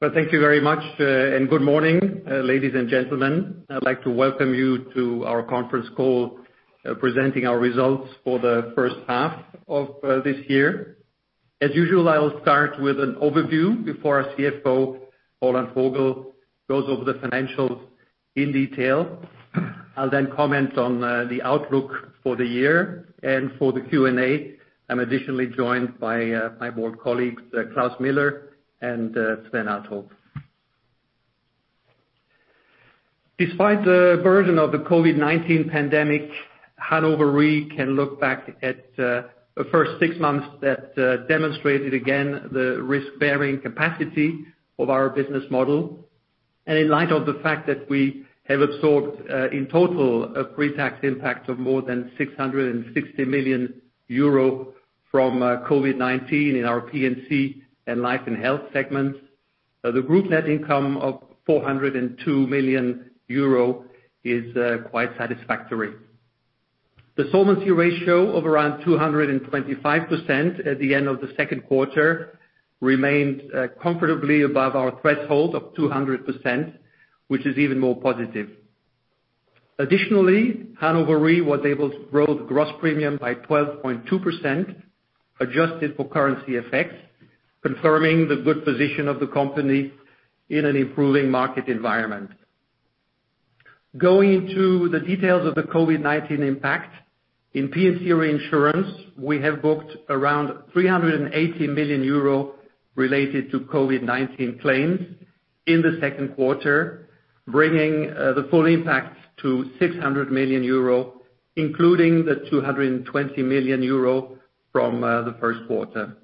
Well, thank you very much, and good morning, ladies and gentlemen. I'd like to welcome you to our conference call, presenting our results for the first half of this year. As usual, I will start with an overview before our CFO, Roland Vogel, goes over the financials in detail. I'll then comment on the outlook for the year. And for the Q&A, I'm additionally joined by my board colleagues, Klaus Miller and Sven Althoff. Despite the burden of the COVID-19 pandemic, Hannover Re can look back at the first six months that demonstrated again the risk-bearing capacity of our business model. In light of the fact that we have absorbed, in total, a pre-tax impact of more than 660 million euro from COVID-19 in our P&C and life and health segments, the group net income of 402 million euro is quite satisfactory. The solvency ratio of around 225% at the end of the second quarter remained comfortably above our threshold of 200%, which is even more positive. Additionally, Hannover Re was able to grow the gross premium by 12.2%, adjusted for currency effects, confirming the good position of the company in an improving market environment. Going into the details of the COVID-19 impact, in P&C reinsurance, we have booked around 380 million euro related to COVID-19 claims in the second quarter, bringing the full impact to 600 million euro, including the 220 million euro from the first quarter.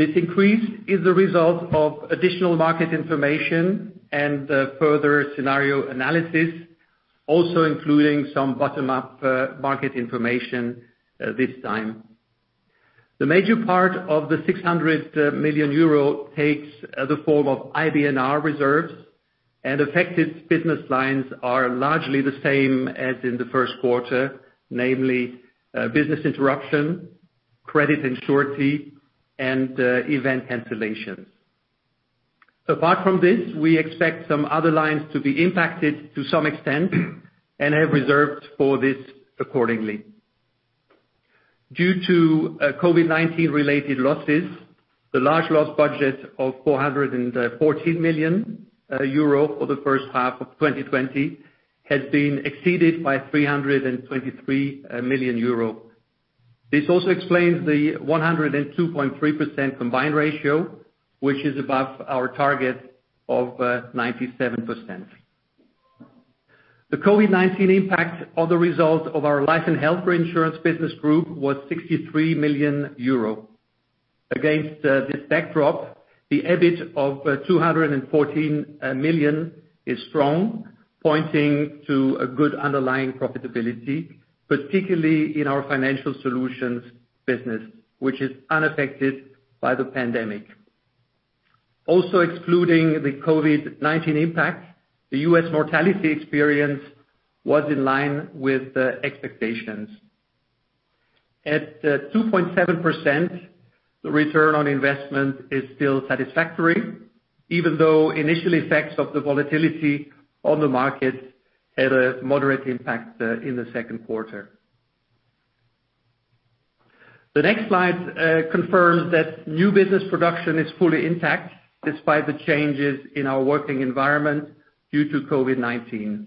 This increase is the result of additional market information and further scenario analysis, also including some bottom-up market information this time. The major part of the six hundred million euro takes the form of IBNR reserves, and affected business lines are largely the same as in the first quarter, namely business interruption, credit and surety, and event cancellations. Apart from this, we expect some other lines to be impacted to some extent, and have reserved for this accordingly. Due to COVID-19-related losses, the large loss budget of 414 million euro for the first half of 2020 has been exceeded by 323 million euro. This also explains the 102.3% combined ratio, which is above our target of 97%. The COVID-19 impact on the results of our life and health reinsurance business group was 63 million euro. Against this backdrop, the EBIT of 214 million is strong, pointing to a good underlying profitability, particularly in our financial solutions business, which is unaffected by the pandemic. Also excluding the COVID-19 impact, the U.S. mortality experience was in line with the expectations. At 2.7%, the return on investment is still satisfactory, even though initial effects of the volatility on the market had a moderate impact in the second quarter. The next slide confirms that new business production is fully intact despite the changes in our working environment due to COVID-19.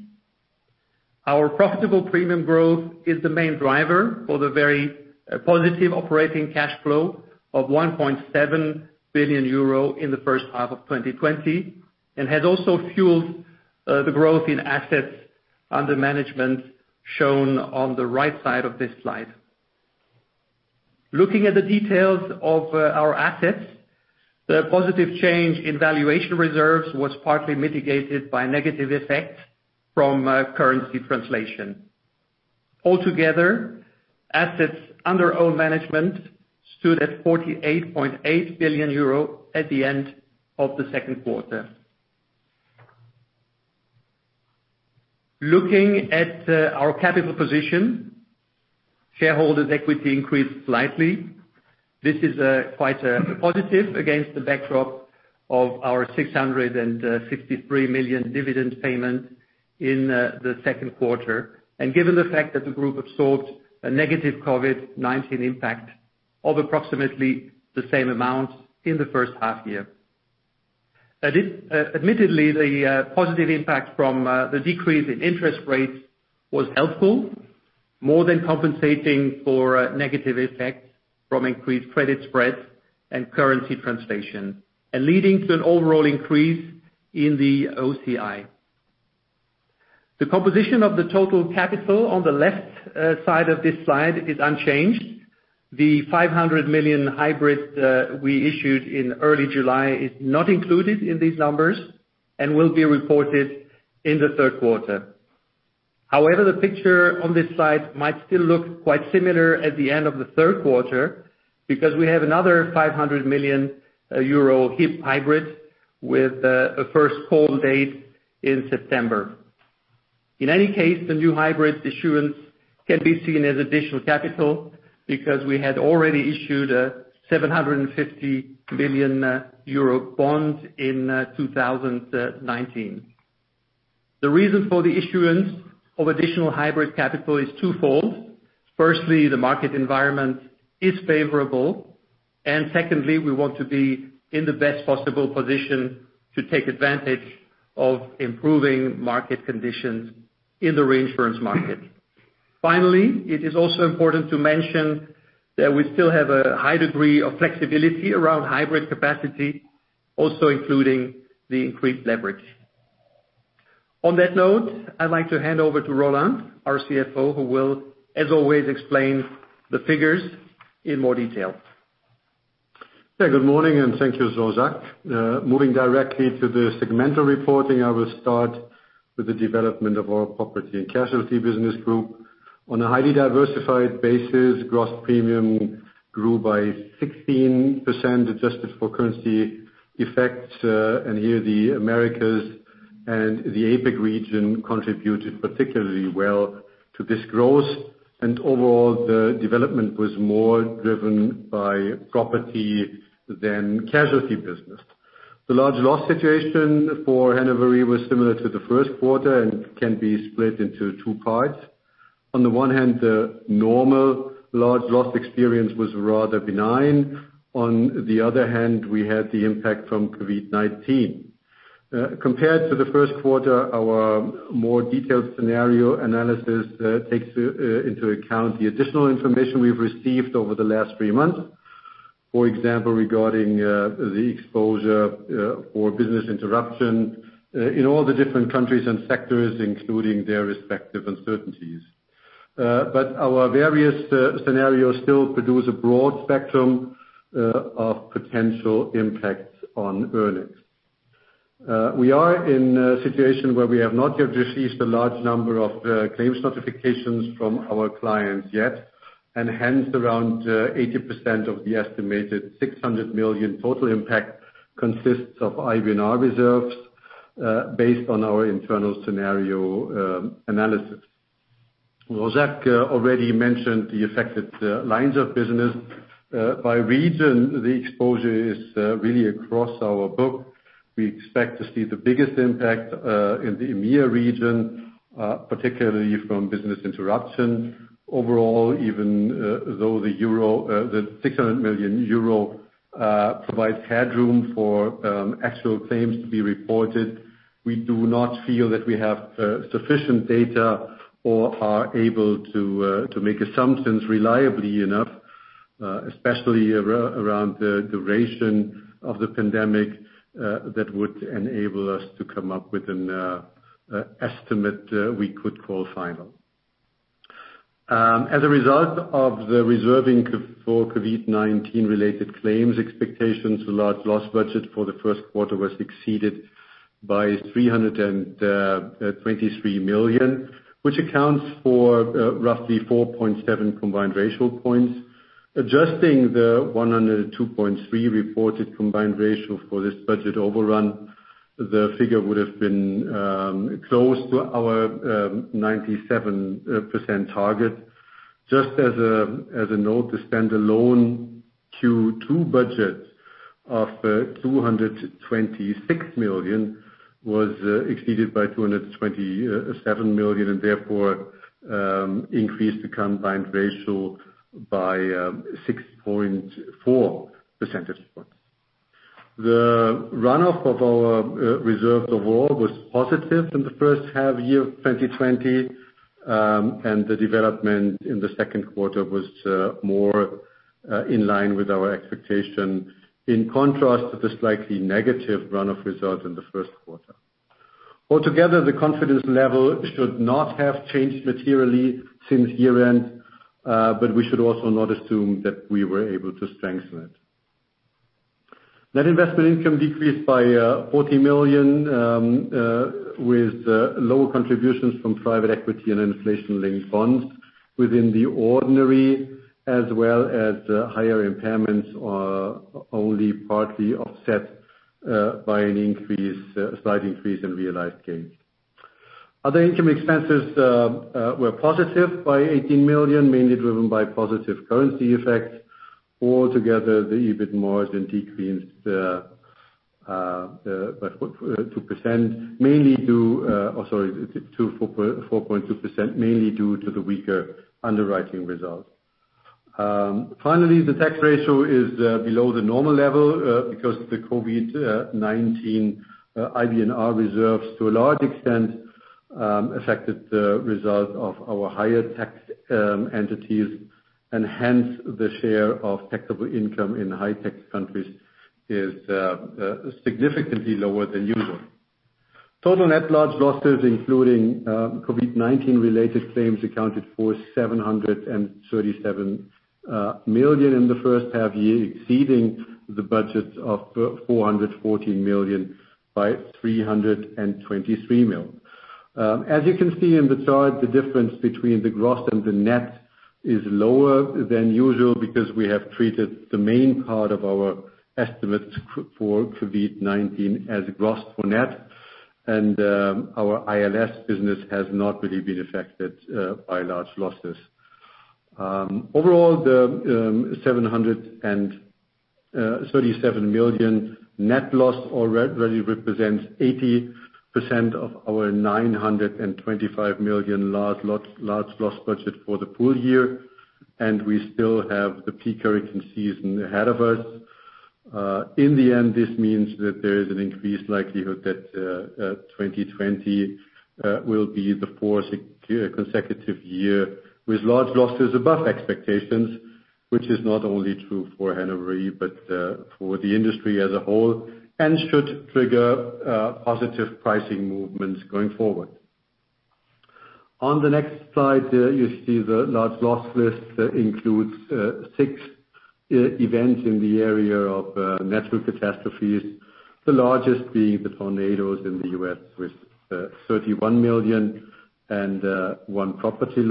Our profitable premium growth is the main driver for the very positive operating cash flow of 1.7 billion euro in the first half of 2020, and has also fueled the growth in assets under management, shown on the right side of this slide. Looking at the details of our assets, the positive change in valuation reserves was partly mitigated by negative effects from currency translation. Altogether, assets under own management stood at 48.8 billion euro at the end of the second quarter. Looking at our capital position, shareholders' equity increased slightly. This is quite positive against the backdrop of our 653 million dividend payment in the second quarter, and given the fact that the group absorbed a negative COVID-19 impact of approximately the same amount in the first half year. Admittedly, the positive impact from the decrease in interest rates was helpful, more than compensating for negative effects from increased credit spreads and currency translation, and leading to an overall increase in the OCI. The composition of the total capital on the left side of this slide is unchanged. The 500 million hybrid we issued in early July is not included in these numbers and will be reported in the third quarter. However, the picture on this slide might still look quite similar at the end of the third quarter, because we have another 500 million euro subordinated hybrid with a first call date in September. In any case, the new hybrid issuance can be seen as additional capital, because we had already issued a 750 million euro bond in 2019. The reason for the issuance of additional hybrid capital is twofold: firstly, the market environment is favorable, and secondly, we want to be in the best possible position to take advantage of improving market conditions in the reinsurance market. Finally, it is also important to mention that we still have a high degree of flexibility around hybrid capacity, also including the increased leverage. On that note, I'd like to hand over to Roland, our CFO, who will, as always, explain the figures in more detail. Yeah, good morning, and thank you, Jean-Jacques. Moving directly to the segmental reporting, I will start with the development of our property and casualty business group. On a highly diversified basis, gross premium grew by 16%, adjusted for currency effects, and here, the Americas and the APAC region contributed particularly well to this growth. And overall, the development was more driven by property than casualty business. The large loss situation for Hannover Re was similar to the first quarter and can be split into two parts. On the one hand, the normal large loss experience was rather benign. On the other hand, we had the impact from COVID-19. Compared to the first quarter, our more detailed scenario analysis takes into account the additional information we've received over the last three months. For example, regarding the exposure for business interruption in all the different countries and sectors, including their respective uncertainties. But our various scenarios still produce a broad spectrum of potential impacts on earnings. We are in a situation where we have not yet received a large number of claims notifications from our clients yet, and hence, around 80% of the estimated 600 million total impact consists of IBNR reserves based on our internal scenario analysis. Jean-Jacques already mentioned the affected lines of business. By region, the exposure is really across our book. We expect to see the biggest impact in the EMEA region, particularly from business interruption. Overall, even though the 600 million euro provides headroom for actual claims to be reported, we do not feel that we have sufficient data or are able to make assumptions reliably enough, especially around the duration of the pandemic, that would enable us to come up with an estimate we could call final. As a result of the reserving for COVID-19-related claims, expectations for large loss budget for the first quarter was exceeded by 323 million, which accounts for roughly 4.7 combined ratio points. Adjusting the 102.3 reported combined ratio for this budget overrun, the figure would have been close to our 97% target. Just as a note, the standalone Q2 budget of 226 million was exceeded by 227 million, and therefore increased the combined ratio by 6.4 percentage points. The runoff of our reserve overall was positive in the first half year of 2020, and the development in the second quarter was more in line with our expectation, in contrast to the slightly negative runoff results in the first quarter. Altogether, the confidence level should not have changed materially since year-end, but we should also not assume that we were able to strengthen it. Net investment income decreased by 40 million with lower contributions from private equity and inflation-linked bonds within the ordinary, as well as higher impairments are only partly offset by a slight increase in realized gains. Other income expenses were positive by 18 million, mainly driven by positive currency effects. Altogether, the EBIT margin decreased by 4.2%, mainly due to the weaker underwriting results. Finally, the tax ratio is below the normal level because of the COVID-19 IBNR reserves, to a large extent affected the result of our higher tax entities, and hence, the share of taxable income in high-tax countries is significantly lower than usual. Total net large losses, including COVID-19-related claims, accounted for 737 million in the first half year, exceeding the budget of 440 million by 323 million. As you can see in the chart, the difference between the gross and the net is lower than usual because we have treated the main part of our estimates for COVID-19 as gross for net, and our ILS business has not really been affected by large losses. Overall, the 737 million net loss already represents 80% of our 925 million large loss, large loss budget for the full year, and we still have the peak hurricane season ahead of us. In the end, this means that there is an increased likelihood that 2020 will be the fourth consecutive year with large losses above expectations, which is not only true for Hannover Re, but for the industry as a whole, and should trigger positive pricing movements going forward. On the next slide, you see the large loss list includes six events in the area of natural catastrophes, the largest being the tornadoes in the U.S. with 31 million and one property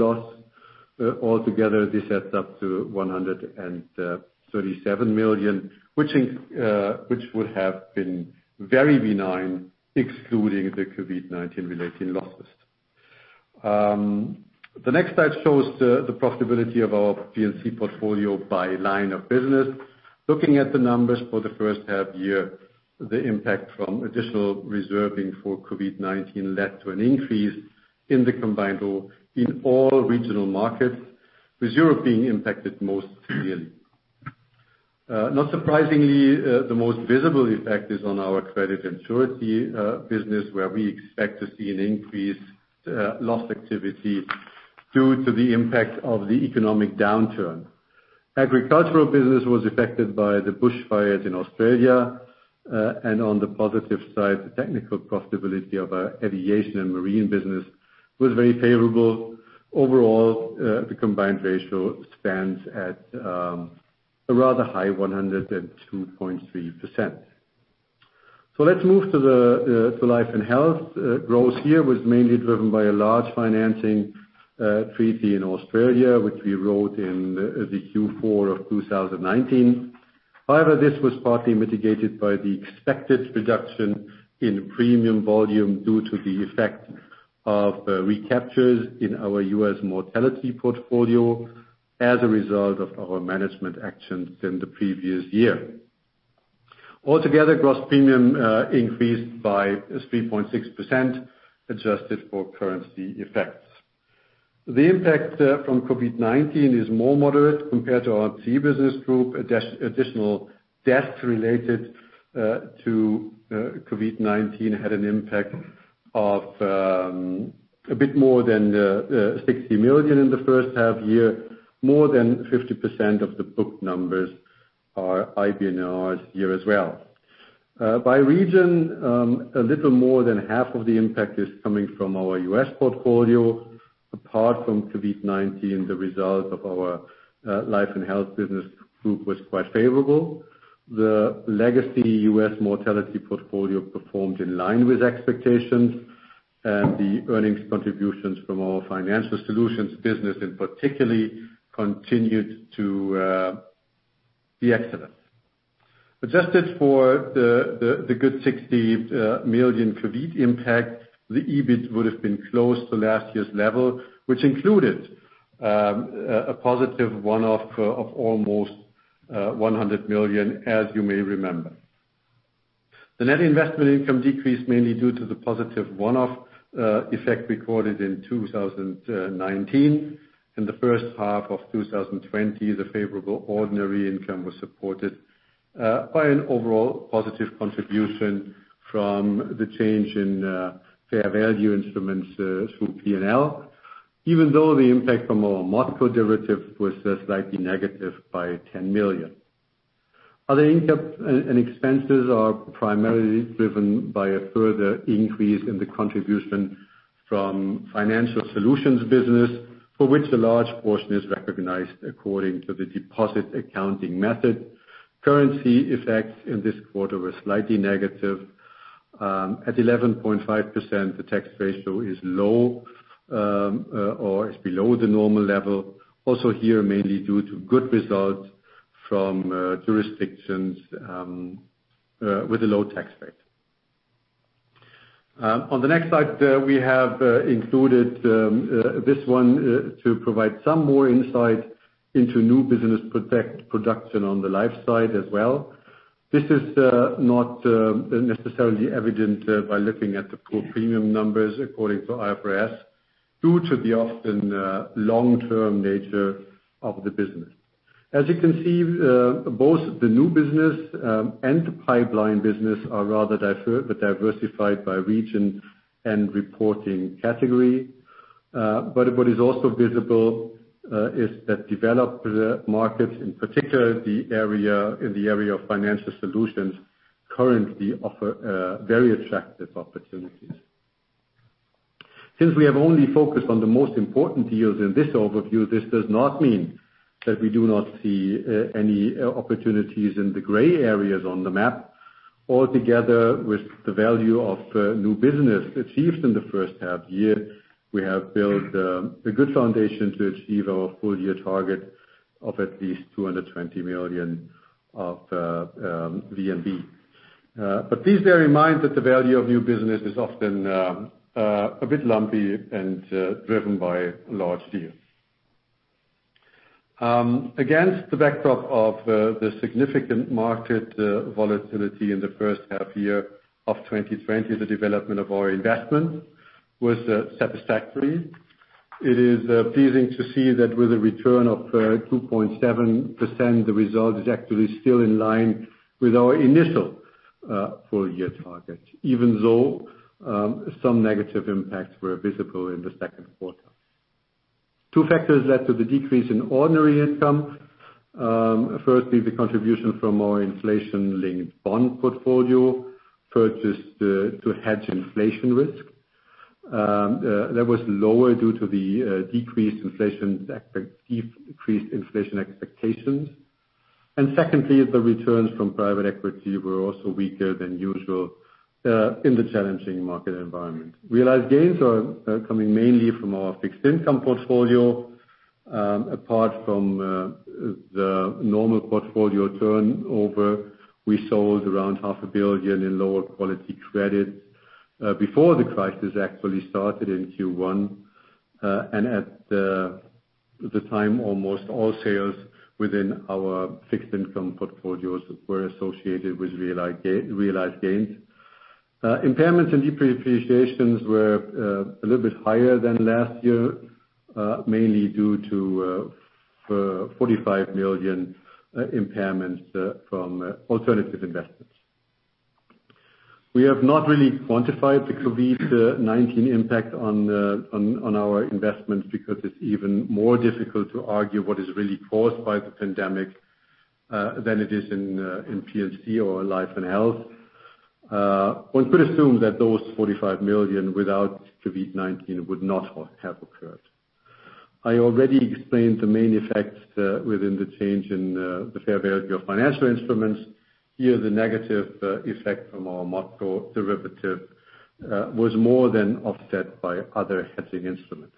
loss. Altogether, this adds up to 137 million, which would have been very benign, excluding the COVID-19 relating losses. The next slide shows the profitability of our P&C portfolio by line of business. Looking at the numbers for the first half year, the impact from additional reserving for COVID-19 led to an increase in the combined ratio in all regional markets, with Europe being impacted most severely. Not surprisingly, the most visible effect is on our credit and surety business, where we expect to see an increased loss activity due to the impact of the economic downturn. Agricultural business was affected by the bushfires in Australia, and on the positive side, the technical profitability of our aviation and marine business was very favorable. Overall, the combined ratio stands at a rather high 102.3%. So let's move to life and health. Growth here was mainly driven by a large financing treaty in Australia, which we wrote in the Q4 of 2019. However, this was partly mitigated by the expected reduction in premium volume due to the effect of recaptures in our U.S. mortality portfolio as a result of our management actions in the previous year. Altogether, gross premium increased by 3.6%, adjusted for currency effects. The impact from COVID-19 is more moderate compared to our P&C business group. Additional death related to COVID-19 had an impact of a bit more than 60 million in the first half year. More than 50% of the book numbers are IBNRs here as well. By region, a little more than half of the impact is coming from our U.S. portfolio. Apart from COVID-19, the result of our life and health business group was quite favorable. The legacy U.S. mortality portfolio performed in line with expectations, and the earnings contributions from our financial solutions business, in particular, continued to be excellent. Adjusted for the good 60 million COVID impact, the EBIT would have been close to last year's level, which included a positive one-off of almost 100 million, as you may remember. The net investment income decreased mainly due to the positive one-off effect recorded in 2019. In the first half of 2020, the favorable ordinary income was supported by an overall positive contribution from the change in fair value instruments through P&L, even though the impact from our ModCo derivative was slightly negative by 10 million. Other income and expenses are primarily driven by a further increase in the contribution from financial solutions business, for which a large portion is recognized according to the deposit accounting method. Currency effects in this quarter were slightly negative. At 11.5%, the tax ratio is low or is below the normal level. Also here, mainly due to good results from jurisdictions with a low tax rate. On the next slide, we have included this one to provide some more insight into new business production on the life side as well. This is not necessarily evident by looking at the core premium numbers according to IFRS, due to the often long-term nature of the business. As you can see, both the new business and the pipeline business are rather diversified by region and reporting category. But what is also visible is that developed markets, in particular, the area of Financial Solutions, currently offer very attractive opportunities. Since we have only focused on the most important deals in this overview, this does not mean that we do not see any opportunities in the gray areas on the map. Altogether, with the value of new business achieved in the first half year, we have built a good foundation to achieve our full year target of at least 220 million of VNB. But please bear in mind that the value of new business is often a bit lumpy and driven by large deals. Against the backdrop of the significant market volatility in the first half year of 2020, the development of our investment was satisfactory. It is pleasing to see that with a return of 2.7%, the result is actually still in line with our initial full year target, even though some negative impacts were visible in the second quarter. Two factors led to the decrease in ordinary income. Firstly, the contribution from our inflation-linked bond portfolio, purchased to hedge inflation risk. That was lower due to the decreased inflation expectations. And secondly, the returns from private equity were also weaker than usual in the challenging market environment. Realized gains are coming mainly from our fixed income portfolio. Apart from the normal portfolio turnover, we sold around 500 million in lower quality credits before the crisis actually started in Q1. And at the time, almost all sales within our fixed income portfolios were associated with realized gains. Impairments and depreciations were a little bit higher than last year, mainly due to 45 million impairments from alternative investments. We have not really quantified the COVID-19 impact on our investments, because it's even more difficult to argue what is really caused by the pandemic than it is in P&C or life and health. One could assume that those 45 million without COVID-19 would not have occurred. I already explained the main effects within the change in the fair value of financial instruments. Here, the negative effect from our Moscow derivative was more than offset by other hedging instruments.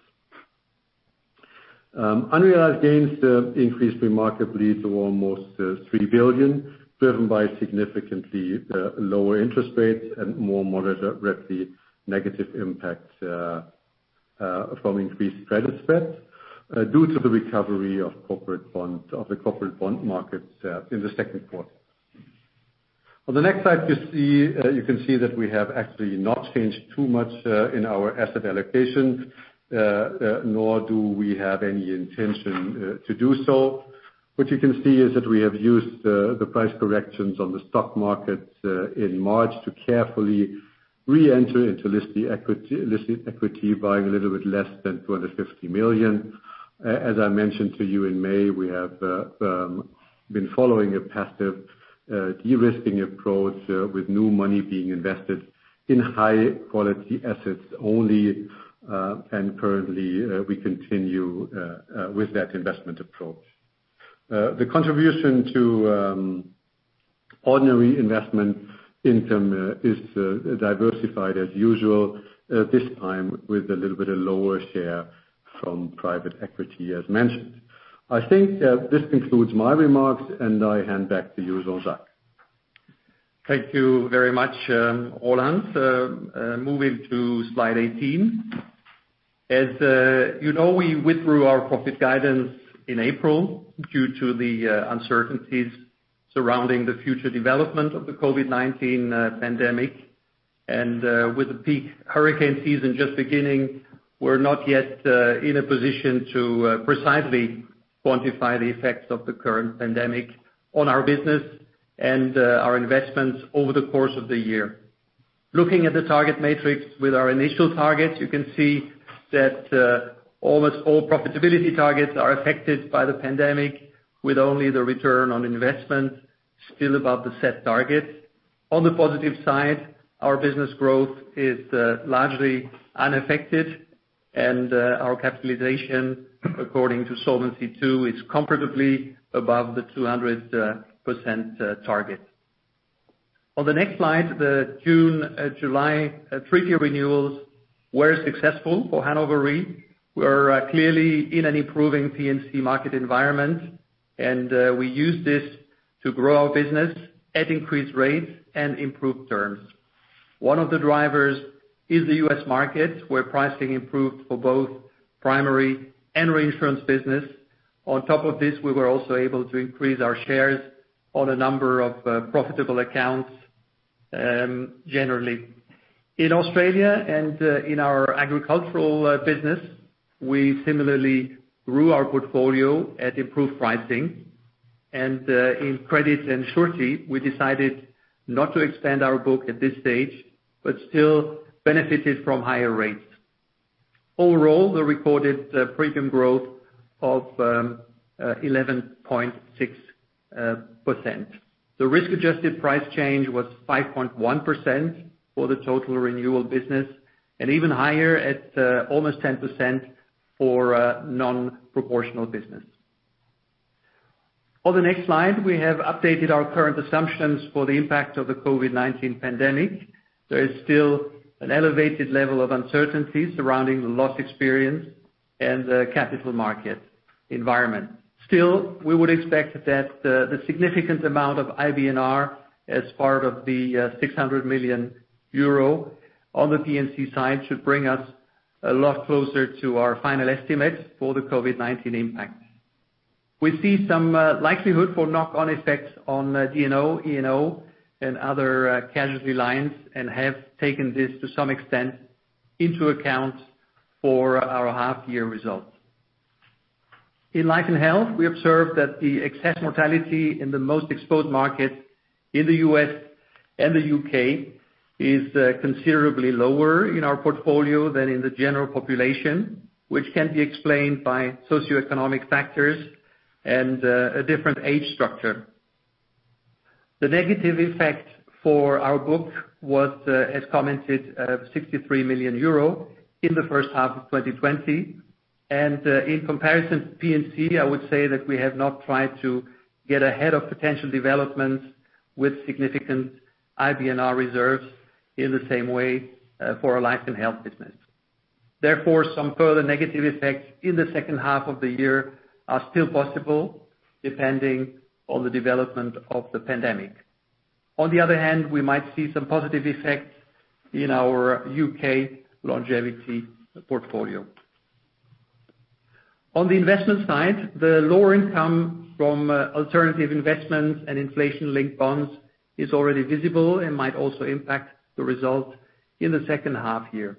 Unrealized gains increased remarkably to almost 3 billion, driven by significantly lower interest rates and more moderately negative impacts from increased credit spreads due to the recovery of corporate bond, of the corporate bond markets in the second quarter. On the next slide, you see, you can see that we have actually not changed too much in our asset allocation nor do we have any intention to do so. What you can see is that we have used the price corrections on the stock market in March to carefully re-enter into listed equity, listed equity, buying a little bit less than 250 million. As I mentioned to you in May, we have been following a passive de-risking approach with new money being invested in high quality assets only, and currently with that investment approach. The contribution to ordinary investment income is diversified as usual, this time with a little bit of lower share from private equity, as mentioned. I think this concludes my remarks, and I hand back to you, Jean-Jacques. Thank you very much, Roland. Moving to slide 18. As you know, we withdrew our profit guidance in April due to the uncertainties surrounding the future development of the COVID-19 pandemic. With the peak hurricane season just beginning, we're not yet in a position to precisely quantify the effects of the current pandemic on our business and our investments over the course of the year. Looking at the target matrix with our initial targets, you can see that almost all profitability targets are affected by the pandemic, with only the return on investment still above the set target. On the positive side, our business growth is largely unaffected, and our capitalization, according to Solvency II, is comfortably above the 200% target. On the next slide, the June, July, three-year renewals were successful for Hannover Re. We are clearly in an improving P&C market environment, and we use this to grow our business at increased rates and improved terms. One of the drivers is the U.S. market, where pricing improved for both primary and reinsurance business. On top of this, we were also able to increase our shares on a number of profitable accounts, generally. In Australia and in our agricultural business, we similarly grew our portfolio at improved pricing, and in credit and surety, we decided not to expand our book at this stage, but still benefited from higher rates. Overall, the recorded premium growth of 11.6%. The risk-adjusted price change was 5.1% for the total renewal business, and even higher at almost 10% for non-proportional business. On the next slide, we have updated our current assumptions for the impact of the COVID-19 pandemic. There is still an elevated level of uncertainty surrounding the loss experience and the capital market environment. Still, we would expect that the significant amount of IBNR as part of the 600 million euro on the P&C side should bring us a lot closer to our final estimates for the COVID-19 impact. We see some likelihood for knock-on effects on D&O, E&O, and other casualty lines, and have taken this to some extent into account for our half year results. In life and health, we observed that the excess mortality in the most exposed markets in the U.S. and the U.K. is considerably lower in our portfolio than in the general population, which can be explained by socioeconomic factors and a different age structure. The negative effect for our book was, as commented, 63 million euro in the first half of 2020. In comparison to P&C, I would say that we have not tried to get ahead of potential developments with significant IBNR reserves in the same way for our life and health business. Therefore, some further negative effects in the second half of the year are still possible, depending on the development of the pandemic. On the other hand, we might see some positive effects in our U.K. longevity portfolio. On the investment side, the lower income from alternative investments and inflation-linked bonds is already visible and might also impact the result in the second half year.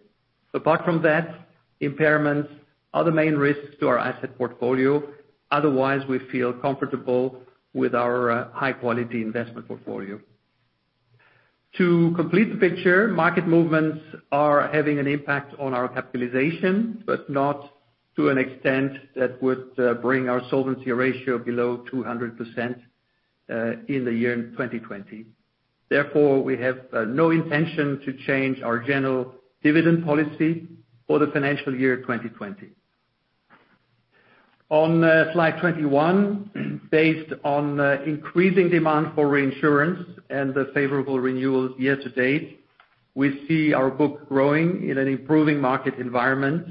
Apart from that, impairments are the main risks to our asset portfolio. Otherwise, we feel comfortable with our high quality investment portfolio. To complete the picture, market movements are having an impact on our capitalization, but not to an extent that would bring our solvency ratio below 200%, in the year 2020. Therefore, we have no intention to change our general dividend policy for the financial year 2020. On slide 21, based on increasing demand for reinsurance and the favorable renewals year to date, we see our book growing in an improving market environment.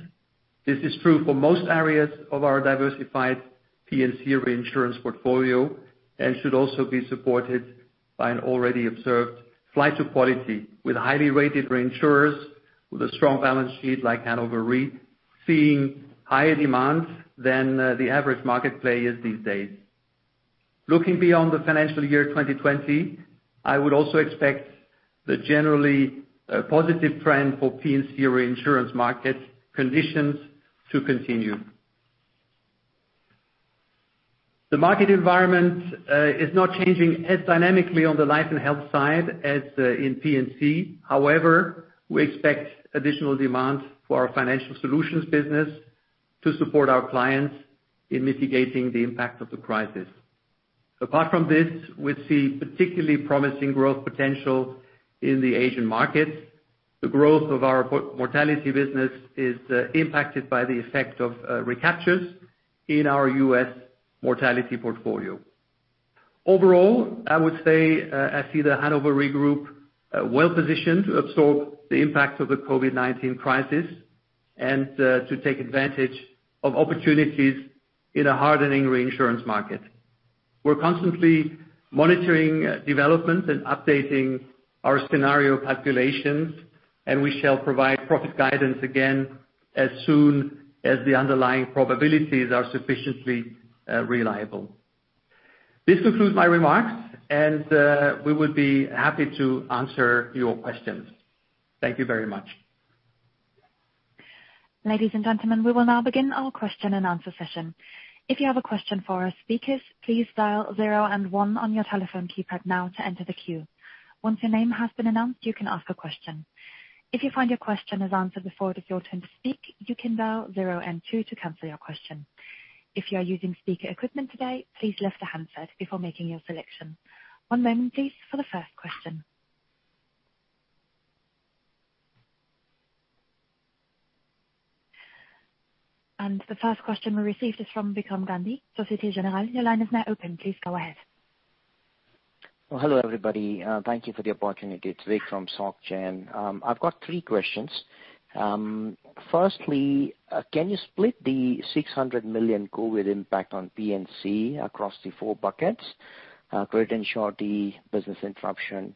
This is true for most areas of our diversified P&C reinsurance portfolio and should also be supported by an already observed flight to quality, with highly rated reinsurers with a strong balance sheet like Hannover Re, seeing higher demand than the average market players these days. Looking beyond the financial year 2020, I would also expect the generally positive trend for P&C reinsurance market conditions to continue. The market environment is not changing as dynamically on the life and health side as in P&C. However, we expect additional demand for our financial solutions business to support our clients in mitigating the impact of the crisis. Apart from this, we see particularly promising growth potential in the Asian markets. The growth of our mortality business is impacted by the effect of recaptures in our U.S. mortality portfolio. Overall, I would say, I see the Hannover Re group, well positioned to absorb the impact of the COVID-19 crisis and, to take advantage of opportunities in a hardening reinsurance market. We're constantly monitoring, developments and updating our scenario calculations, and we shall provide profit guidance again as soon as the underlying probabilities are sufficiently, reliable. This concludes my remarks, and, we would be happy to answer your questions. Thank you very much. Ladies and gentlemen, we will now begin our question-and-answer session. If you have a question for our speakers, please dial zero and one on your telephone keypad now to enter the queue. Once your name has been announced, you can ask a question. If you find your question is answered before it is your turn to speak, you can dial zero and two to cancel your question. If you are using speaker equipment today, please lift the handset before making your selection. One moment, please, for the first question. And the first question we received is from Vikram Gandhi, Société Générale. Your line is now open. Please go ahead. Well, hello, everybody. Thank you for the opportunity. It's Vikram from Soc Gen. I've got three questions. Firstly, can you split the 600 million COVID impact on P&C across the four buckets? Credit and surety, business interruption,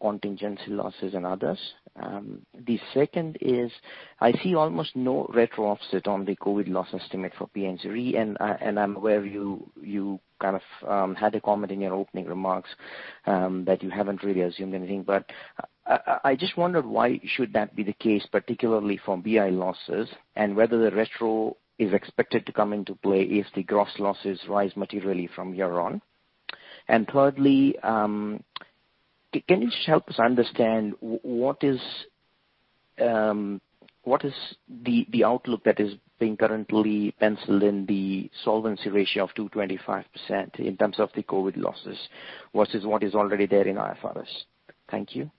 contingency losses, and others. The second is, I see almost no retro offset on the COVID loss estimate for P&C, and I'm aware you kind of had a comment in your opening remarks that you haven't really assumed anything. But I just wondered why should that be the case, particularly for BI losses, and whether the retro is expected to come into play if the gross losses rise materially from here on? And thirdly, can you just help us understand what is, what is the outlook that is being currently penciled in the solvency ratio of 225% in terms of the COVID losses, versus what is already there in IFRS? Thank you.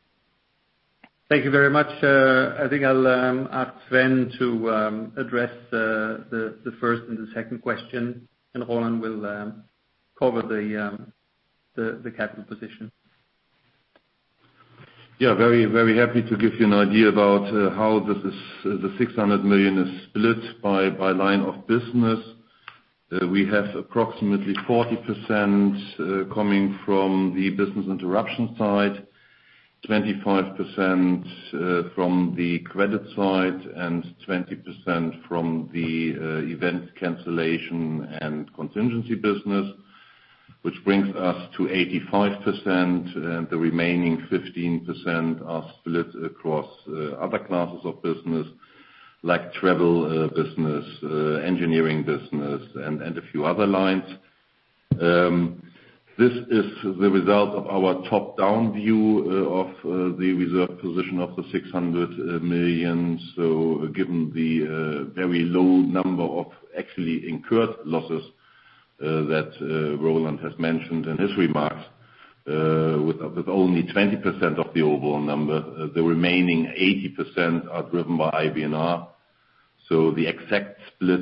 Thank you very much. I think I'll ask Sven to address the first and the second question, and Roland will cover the capital position. Yeah, very, very happy to give you an idea about how this is, the 600 million is split by line of business. We have approximately 40% coming from the business interruption side, 25% from the credit side, and 20% from the event cancellation and contingency business, which brings us to 85%. The remaining 15% are split across other classes of business, like travel business, engineering business, and a few other lines. This is the result of our top-down view of the reserve position of the 600 million. So given the very low number of actually incurred losses that Roland has mentioned in his remarks, with only 20% of the overall number, the remaining 80% are driven by IBNR. So the exact split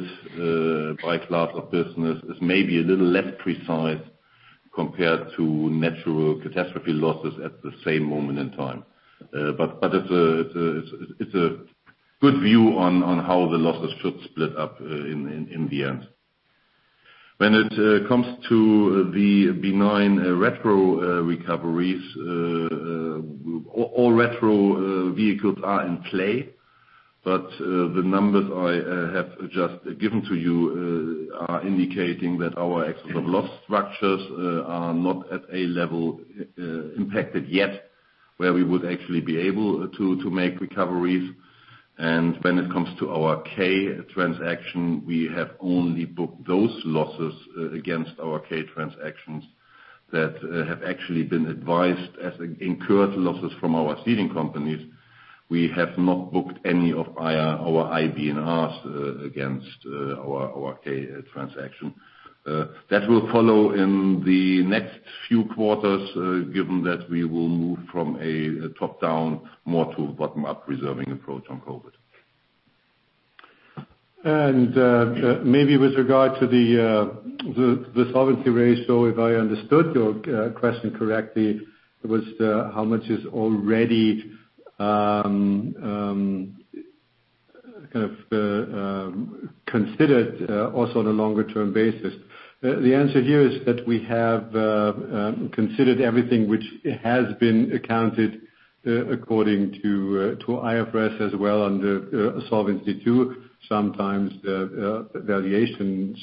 by class of business is maybe a little less precise compared to natural catastrophe losses at the same moment in time. But it's a good view on how the losses should split up in the end. When it comes to the big retro recoveries, all retro vehicles are in play. But the numbers I have just given to you are indicating that our excess of loss structures are not at a level impacted yet, where we would actually be able to make recoveries. And when it comes to our K transaction, we have only booked those losses against our K transactions that have actually been advised as incurred losses from our ceding companies. We have not booked any of our IBNRs against our K transaction. That will follow in the next few quarters, given that we will move from a top-down, more to a bottom-up reserving approach on COVID. Maybe with regard to the solvency ratio, if I understood your question correctly, was how much is already kind of considered also on a longer term basis? The answer here is that we have considered everything which has been accounted according to IFRS, as well under Solvency II. Sometimes the valuations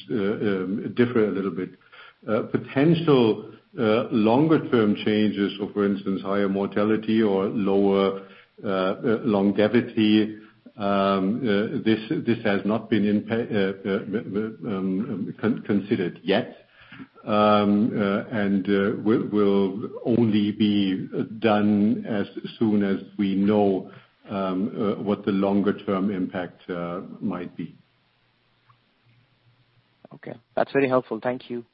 differ a little bit. Potential longer term changes, so for instance, higher mortality or lower longevity, this has not been considered yet. And will only be done as soon as we know what the longer term impact might be. Okay. That's very helpful. Thank you.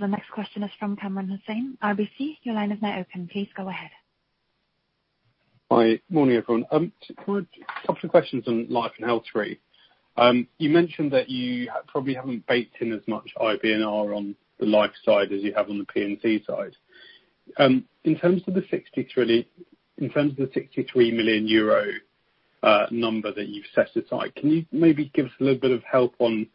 The next question is from Kamran Hossain, RBC. Your line is now open. Please go ahead. Hi. Morning, everyone. Just a couple of questions on life and health three. You mentioned that you probably haven't baked in as much IBNR on the life side as you have on the P&C side. In terms of the 63 million euro, number that you've set aside, can you maybe give us a little bit of help on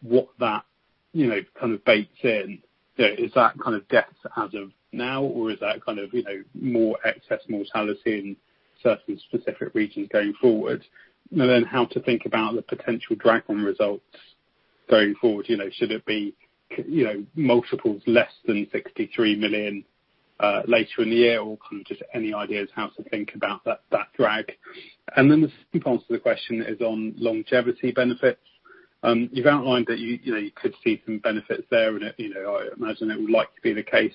what that, you know, kind of bakes in? Is that kind of depth as of now, or is that kind of, you know, more excess mortality in certain specific regions going forward? And then how to think about the potential drag on results going forward, you know, should it be, you know, multiples less than 63 million, later in the year? Or kind of just any ideas how to think about that, that drag. And then the second part to the question is on longevity benefits. You've outlined that you, you know, you could see some benefits there, and, you know, I imagine it would like to be the case.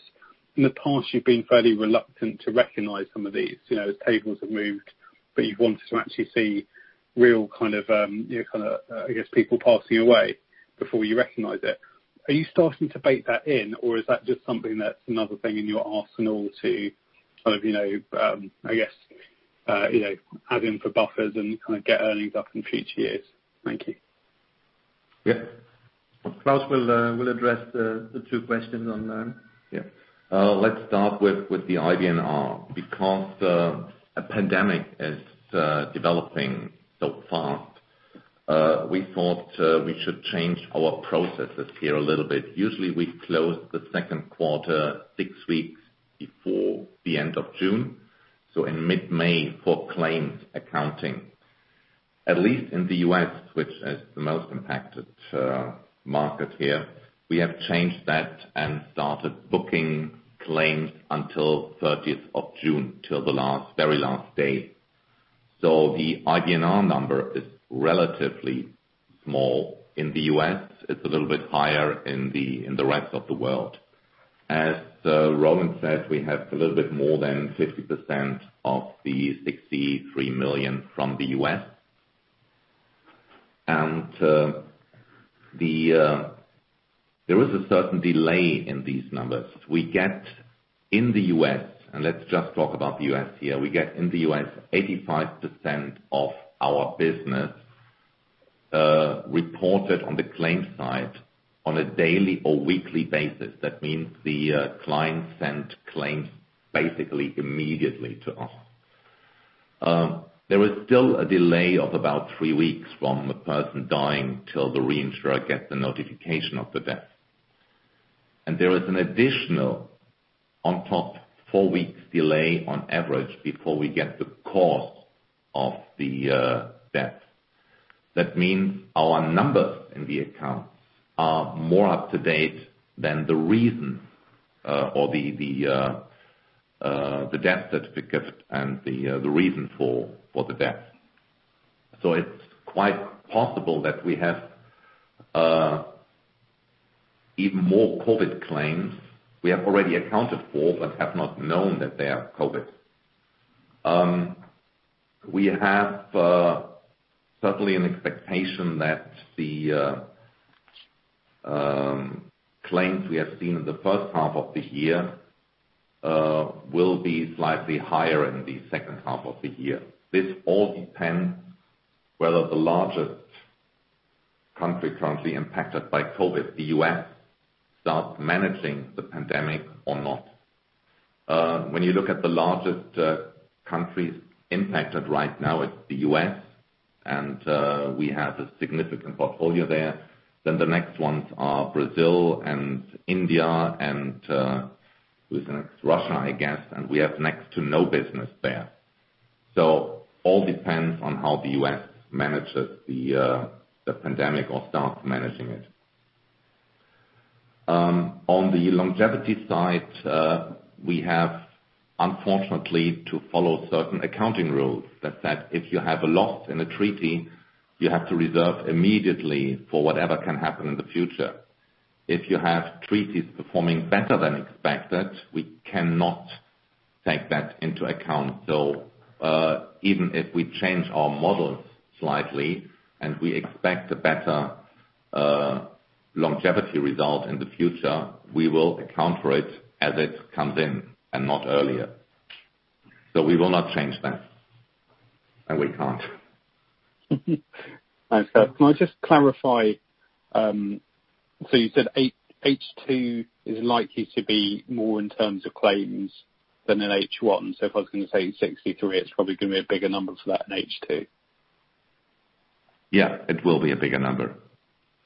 In the past, you've been fairly reluctant to recognize some of these, you know, as tables have moved, but you've wanted to actually see real kind of, you know, kind of, I guess, people passing away before you recognize it. Are you starting to bake that in, or is that just something that's another thing in your arsenal to kind of, you know, I guess, you know, add in for buffers and kind of get earnings up in future years? Thank you. Yeah. Klaus will address the two questions on... Yeah. Let's start with, with the IBNR. Because, a pandemic is, developing so fast, we thought, we should change our processes here a little bit. Usually, we close the second quarter six weeks before the end of June, so in mid-May, for claims accounting. At least in the U.S., which is the most impacted, market here, we have changed that and started booking claims until 30th of June, till the last, very last day. So the IBNR number is relatively small in the U.S.. It's a little bit higher in the rest of the world. As Roland said, we have a little bit more than 50% of the 63 million from the U.S.. And there is a certain delay in these numbers. We get in the U.S., and let's just talk about the U.S. here. We get in the U.S., 85% of our business reported on the claims side on a daily or weekly basis. That means the client sent claims basically immediately to us. There is still a delay of about three weeks from the person dying till the reinsurer gets the notification of the death. And there is an additional, on top, four weeks delay on average before we get the cause of the death. That means our numbers in the account are more up-to-date than the reason, or the death certificate and the reason for the death. So it's quite possible that we have even more COVID claims we have already accounted for, but have not known that they are COVID. We have certainly an expectation that the claims we have seen in the first half of the year will be slightly higher in the second half of the year. This all depends whether the largest country currently impacted by COVID, the U.S., starts managing the pandemic or not. When you look at the largest countries impacted right now, it's the U.S., and we have a significant portfolio there. Then the next ones are Brazil and India and, who's next? Russia, I guess, and we have next to no business there. So all depends on how the U.S. manages the, the pandemic or starts managing it. On the longevity side, we have, unfortunately, to follow certain accounting rules that said, if you have a loss in a treaty, you have to reserve immediately for whatever can happen in the future. If you have treaties performing better than expected, we cannot take that into account. So, even if we change our models slightly, and we expect a better, longevity result in the future, we will account for it as it comes in, and not earlier. So we will not change that, and we can't. So can I just clarify, so you said H2 is likely to be more in terms of claims than in H1, so if I was going to say 63, it's probably going to be a bigger number for that in H2. Yeah, it will be a bigger number.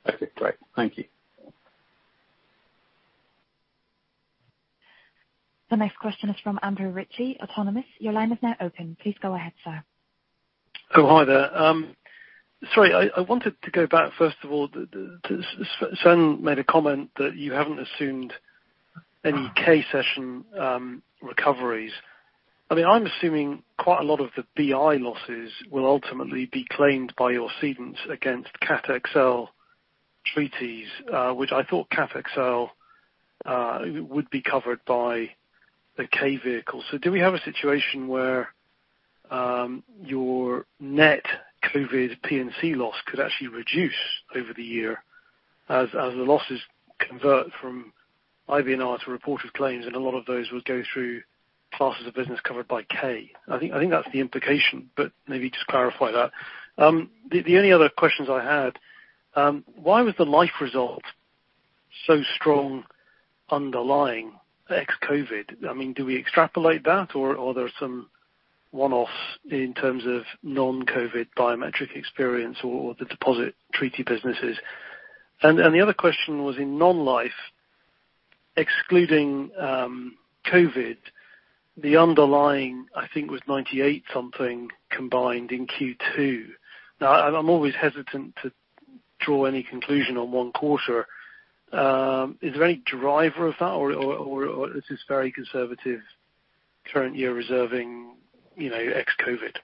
Okay, great. Thank you. The next question is from Andrew Ritchie, Autonomous. Your line is now open. Please go ahead, sir. Oh, hi there. Sorry, I wanted to go back, first of all, to Sven made a comment that you haven't assumed any K-Cession recoveries. I mean, I'm assuming quite a lot of the BI losses will ultimately be claimed by your cedants against Cat XL treaties, which I thought Cat XL would be covered by the K vehicle. So do we have a situation where your net COVID P&C loss could actually reduce over the year as the losses convert from IBNR to reported claims, and a lot of those would go through classes of business covered by K? I think that's the implication, but maybe just clarify that. The only other questions I had, why was the life result so strong underlying ex-COVID? I mean, do we extrapolate that, or, or are there some one-offs in terms of non-COVID biometric experience or the deposit treaty businesses? And the other question was, in non-life, excluding COVID, the underlying, I think, was 98 something combined in Q2. Now, I'm always hesitant to draw any conclusion on one quarter. Is there any driver of that, or, or, or, or is this very conservative current year reserving, you know, ex-COVID?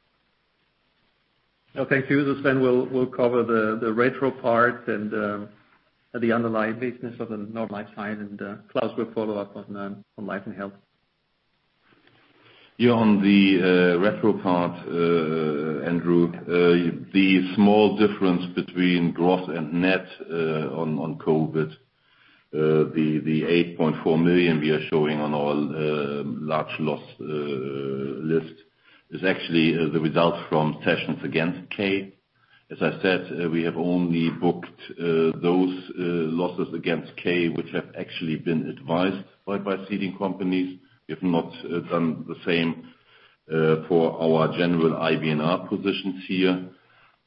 Okay. Thanks, Andrew. Sven, we'll cover the retro part and the underlying business of the non-life side, and Klaus will follow up on life and health. Yeah, on the retro part, Andrew, the small difference between gross and net, on COVID, the 8.4 million we are showing on our large loss list, is actually the result from cessions against K. As I said, we have only booked those losses against K, which have actually been advised by ceding companies, we have not done the same for our general IBNR positions here.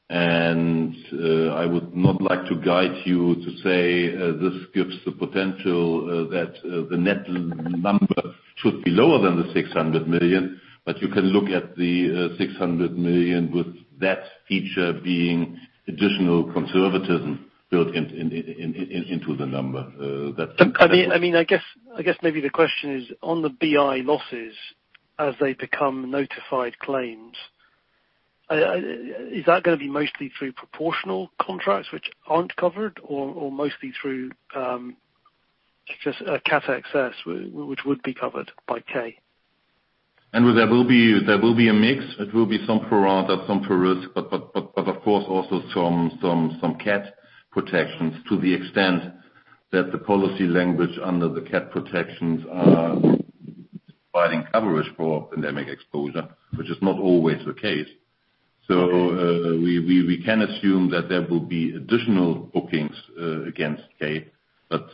I would not like to guide you to say this gives the potential that the net number should be lower than the 600 million, but you can look at the 600 million with that feature being additional conservatism built into the number. That's- I mean, I guess maybe the question is, on the BI losses, as they become notified claims. Is that going to be mostly through proportional contracts which aren't covered, or mostly through just Cat XL, which would be covered by K? Well, there will be a mix. It will be some pro rata, some for risk, but of course, also some cat protections to the extent that the policy language under the cat protections are providing coverage for pandemic exposure, which is not always the case. So, we can assume that there will be additional bookings against K. But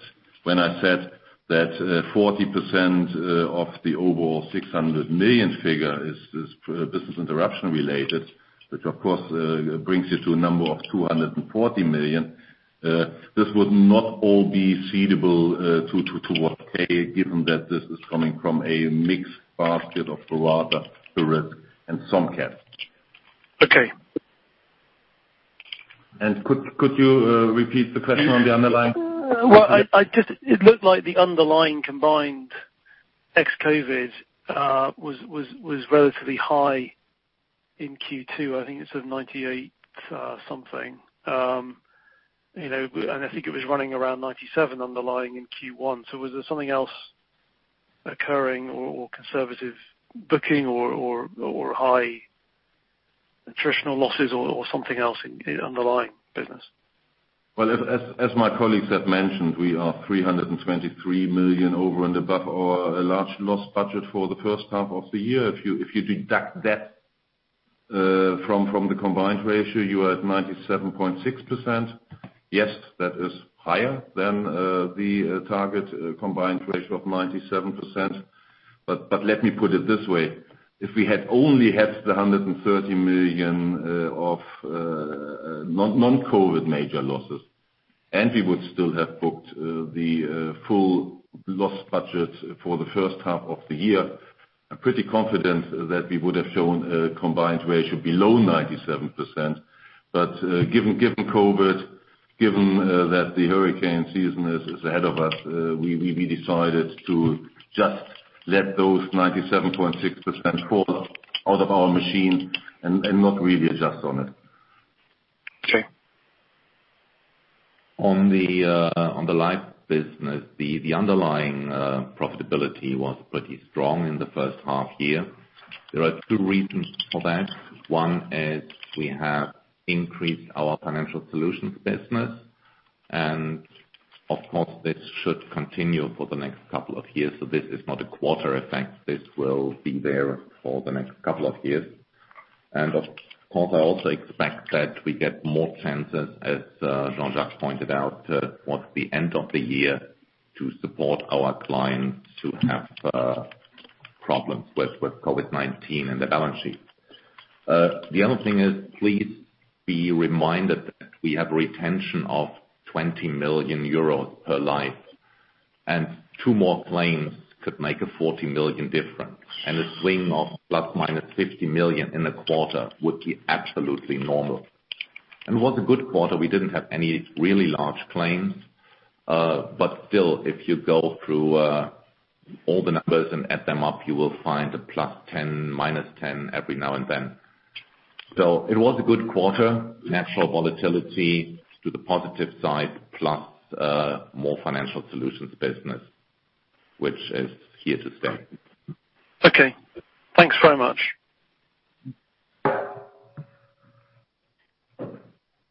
when I said that 40% of the overall 600 million figure is business interruption related, which of course brings you to a number of 240 million. This would not all be cedable to towards K, given that this is coming from a mixed basket of pro rata risk and some cat. Okay. Could you repeat the question on the underlying? Well, I just—It looked like the underlying combined ex COVID was relatively high in Q2. I think it's sort of 98% something. You know, and I think it was running around 97% underlying in Q1. So was there something else occurring, or conservative booking, or high attritional losses, or something else in underlying business? Well, as my colleagues have mentioned, we are 323 million over and above our large loss budget for the first half of the year. If you deduct that from the combined ratio, you are at 97.6%. Yes, that is higher than the target combined ratio of 97%. But let me put it this way, if we had only had the 130 million of non-COVID major losses, and we would still have booked the full loss budget for the first half of the year, I'm pretty confident that we would have shown a combined ratio below 97%. But, given COVID, given that the hurricane season is ahead of us, we decided to just let those 97.6% fall out of our machine and not really adjust on it. Okay. On the on the life business, the underlying profitability was pretty strong in the first half year. There are two reasons for that. One is we have increased our financial solutions business, and of course, this should continue for the next couple of years. So this is not a quarter effect. This will be there for the next couple of years. And of course, I also expect that we get more chances, as Jean-Jacques pointed out, towards the end of the year, to support our clients who have problems with COVID-19 and the balance sheet. The other thing is, please be reminded that we have retention of 20 million euros per life, and two more claims could make a 40 million difference. And a swing of ±50 million in a quarter would be absolutely normal. And it was a good quarter. We didn't have any really large claims. But still, if you go through all the numbers and add them up, you will find a +10, -10 every now and then. So it was a good quarter. Natural volatility to the positive side, plus more Financial Solutions business, which is here to stay. Okay. Thanks very much.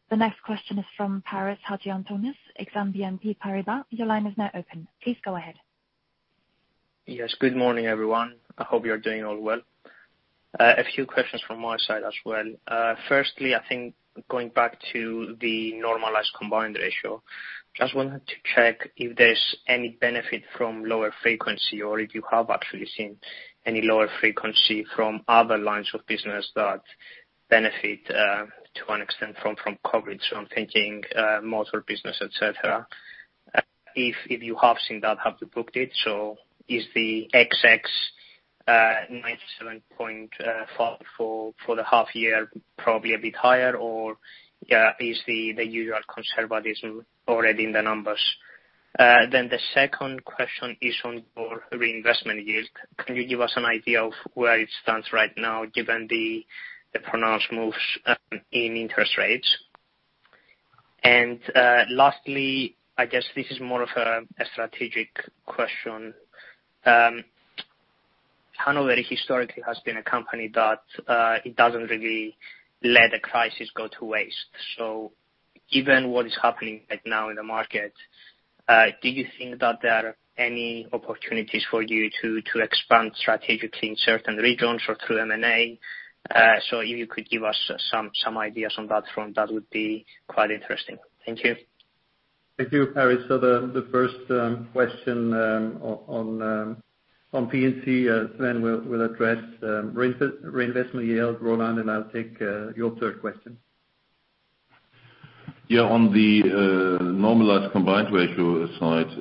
The next question is from Paris Hadjiantonis, Exane BNP Paribas. Your line is now open. Please go ahead. Yes, good morning, everyone. I hope you are doing all well. A few questions from my side as well. Firstly, I think going back to the normalized combined ratio, just wanted to check if there's any benefit from lower frequency or if you have actually seen any lower frequency from other lines of business that benefit to an extent from coverage. So I'm thinking motor business, et cetera. If you have seen that, have you booked it? So is the 97.4 for the half year probably a bit higher or is the usual conservatism already in the numbers? Then the second question is on your reinvestment yield. Can you give us an idea of where it stands right now, given the pronounced moves in interest rates? And lastly, I guess this is more of a strategic question. Hannover historically has been a company that it doesn't really let a crisis go to waste. So given what is happening right now in the market, do you think that there are any opportunities for you to expand strategically in certain regions or through M&A? So if you could give us some ideas on that front, that would be quite interesting. Thank you. Thank you, Paris. So the first question on P&C, Sven will address reinvestment yield. Roland and I'll take your third question. Yeah, on the normalized combined ratio side,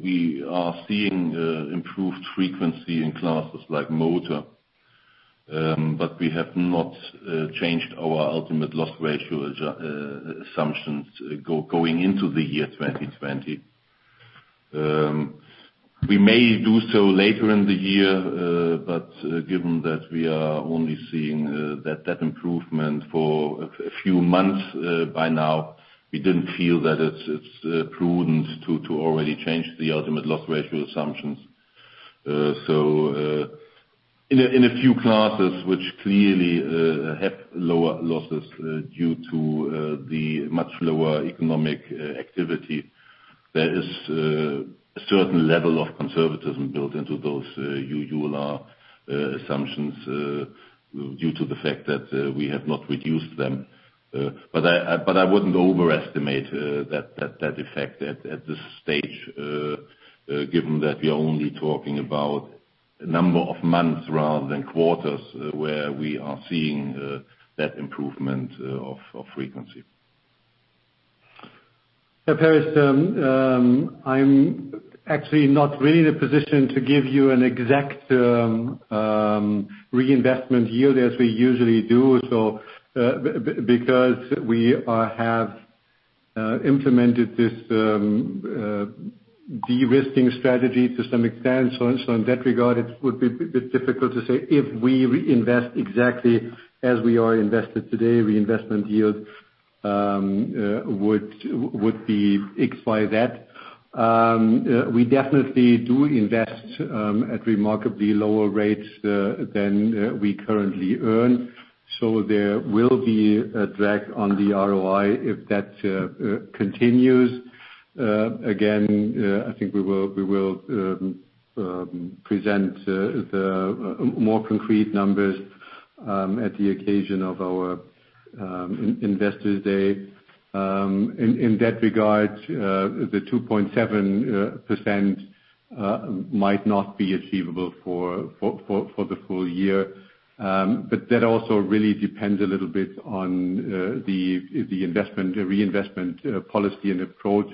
we are seeing improved frequency in classes like motor, but we have not changed our ultimate loss ratio assumptions going into the year 2020. We may do so later in the year, but given that we are only seeing that improvement for a few months by now, we didn't feel that it's prudent to already change the ultimate loss ratio assumptions. So, in a few classes which clearly have lower losses due to the much lower economic activity, there is a certain level of conservatism built into those ULR assumptions due to the fact that we have not reduced them. But I wouldn't overestimate that effect at this stage, given that we are only talking about a number of months rather than quarters, where we are seeing that improvement of frequency. Yeah, Paris, I'm actually not really in a position to give you an exact reinvestment yield as we usually do. So, because we have implemented this de-risking strategy to some extent. So, in that regard, it would be a bit difficult to say if we reinvest exactly as we are invested today, reinvestment yield would be X, Y, Z. We definitely do invest at remarkably lower rates than we currently earn, so there will be a drag on the ROI if that continues. Again, I think we will present the more concrete numbers at the occasion of our Investors Day. In that regard, the 2.7% might not be achievable for the full year. But that also really depends a little bit on the investment reinvestment policy and approach,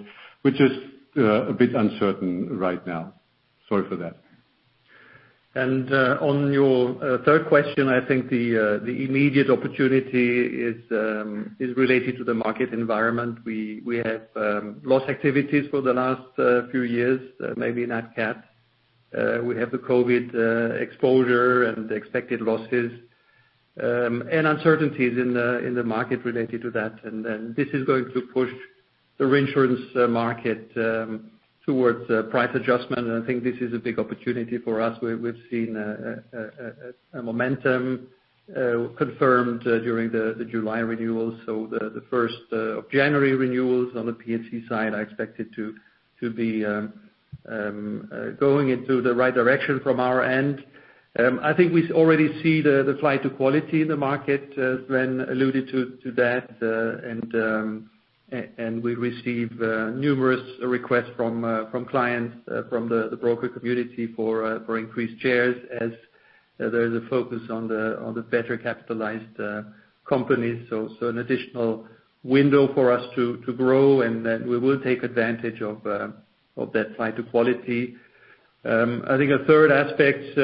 which is a bit uncertain right now. Sorry for that. And on your third question, I think the immediate opportunity is related to the market environment. We have loss activities for the last few years, maybe not CAT. We have the COVID exposure and the expected losses and uncertainties in the market related to that. And then this is going to push the reinsurance market towards price adjustment, and I think this is a big opportunity for us. We've seen a momentum confirmed during the July renewals. So the first of January renewals on the P&C side are expected to be going into the right direction from our end. I think we already see the flight to quality in the market, Sven alluded to that, and we receive numerous requests from clients, from the broker community for increased shares as there is a focus on the better capitalized companies. So an additional window for us to grow, and then we will take advantage of that flight to quality. I think a third aspect,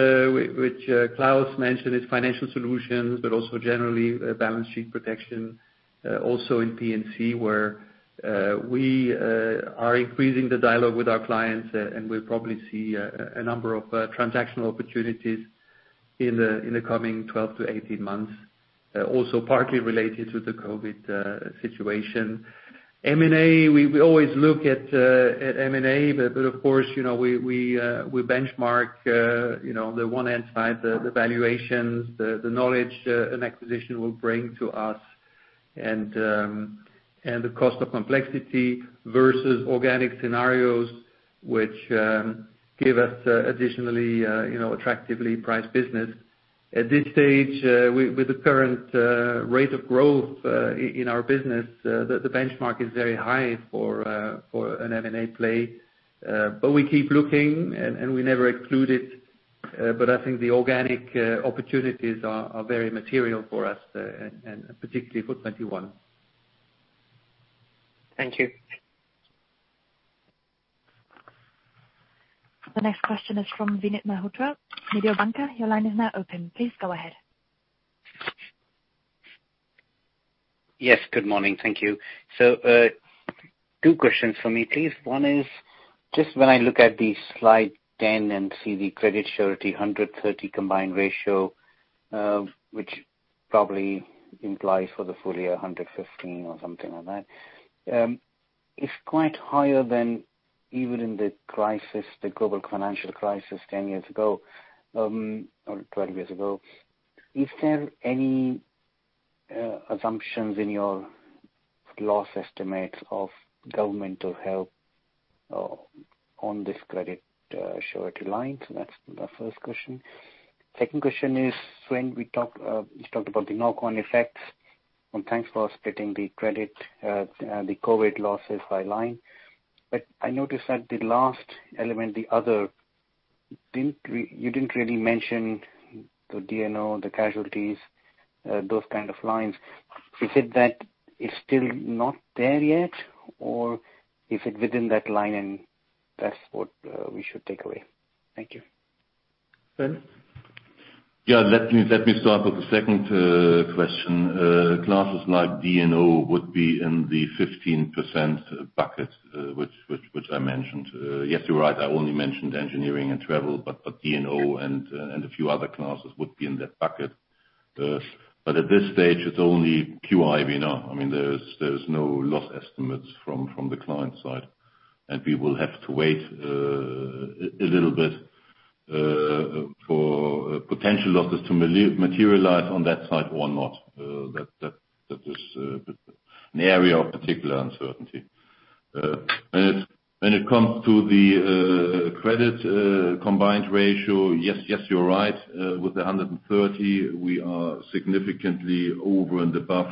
which Klaus mentioned, is Financial Solutions, but also generally, balance sheet protection, also in P&C, where we are increasing the dialogue with our clients, and we'll probably see a number of transactional opportunities in the coming 12 months-18 months, also partly related to the COVID situation. M&A, we always look at M&A, but of course, you know, we benchmark, you know, on the one hand side, the valuations, the knowledge an acquisition will bring to us, and the cost of complexity versus organic scenarios, which give us additionally, you know, attractively priced business. At this stage, with the current rate of growth in our business, the benchmark is very high for an M&A play. But we keep looking and we never exclude it, but I think the organic opportunities are very material for us, and particularly for 2021. Thank you. The next question is from Vinit Malhotra, Mediobanca. Your line is now open. Please go ahead. Yes, good morning. Thank you. So, 2 questions for me, please. One is, just when I look at the slide 10 and see the credit surety 130 combined ratio, which probably implies for the full year 115 or something like that, it's quite higher than even in the crisis, the global financial crisis 10 years ago, or 20 years ago. Is there any assumptions in your loss estimates of governmental help, on this credit surety line? So that's the first question. Second question is, when we talk, you talked about the knock-on effects, and thanks for splitting the credit, the COVID losses by line. But I noticed that the last element, the other, you didn't really mention the D&O, the casualties, those kind of lines. Is it that it's still not there yet, or is it within that line and that's what we should take away? Thank you. Sven? Yeah, let me start with the second question. Classes like D&O would be in the 15% bucket, which I mentioned. Yes, you're right, I only mentioned engineering and travel, but D&O and a few other classes would be in that bucket. But at this stage, it's only pure IBNR now. I mean, there's no loss estimates from the client side, and we will have to wait a little bit for potential losses to materialize on that side or not. That is an area of particular uncertainty. When it comes to the credit combined ratio, yes, you're right. With the 130, we are significantly over and above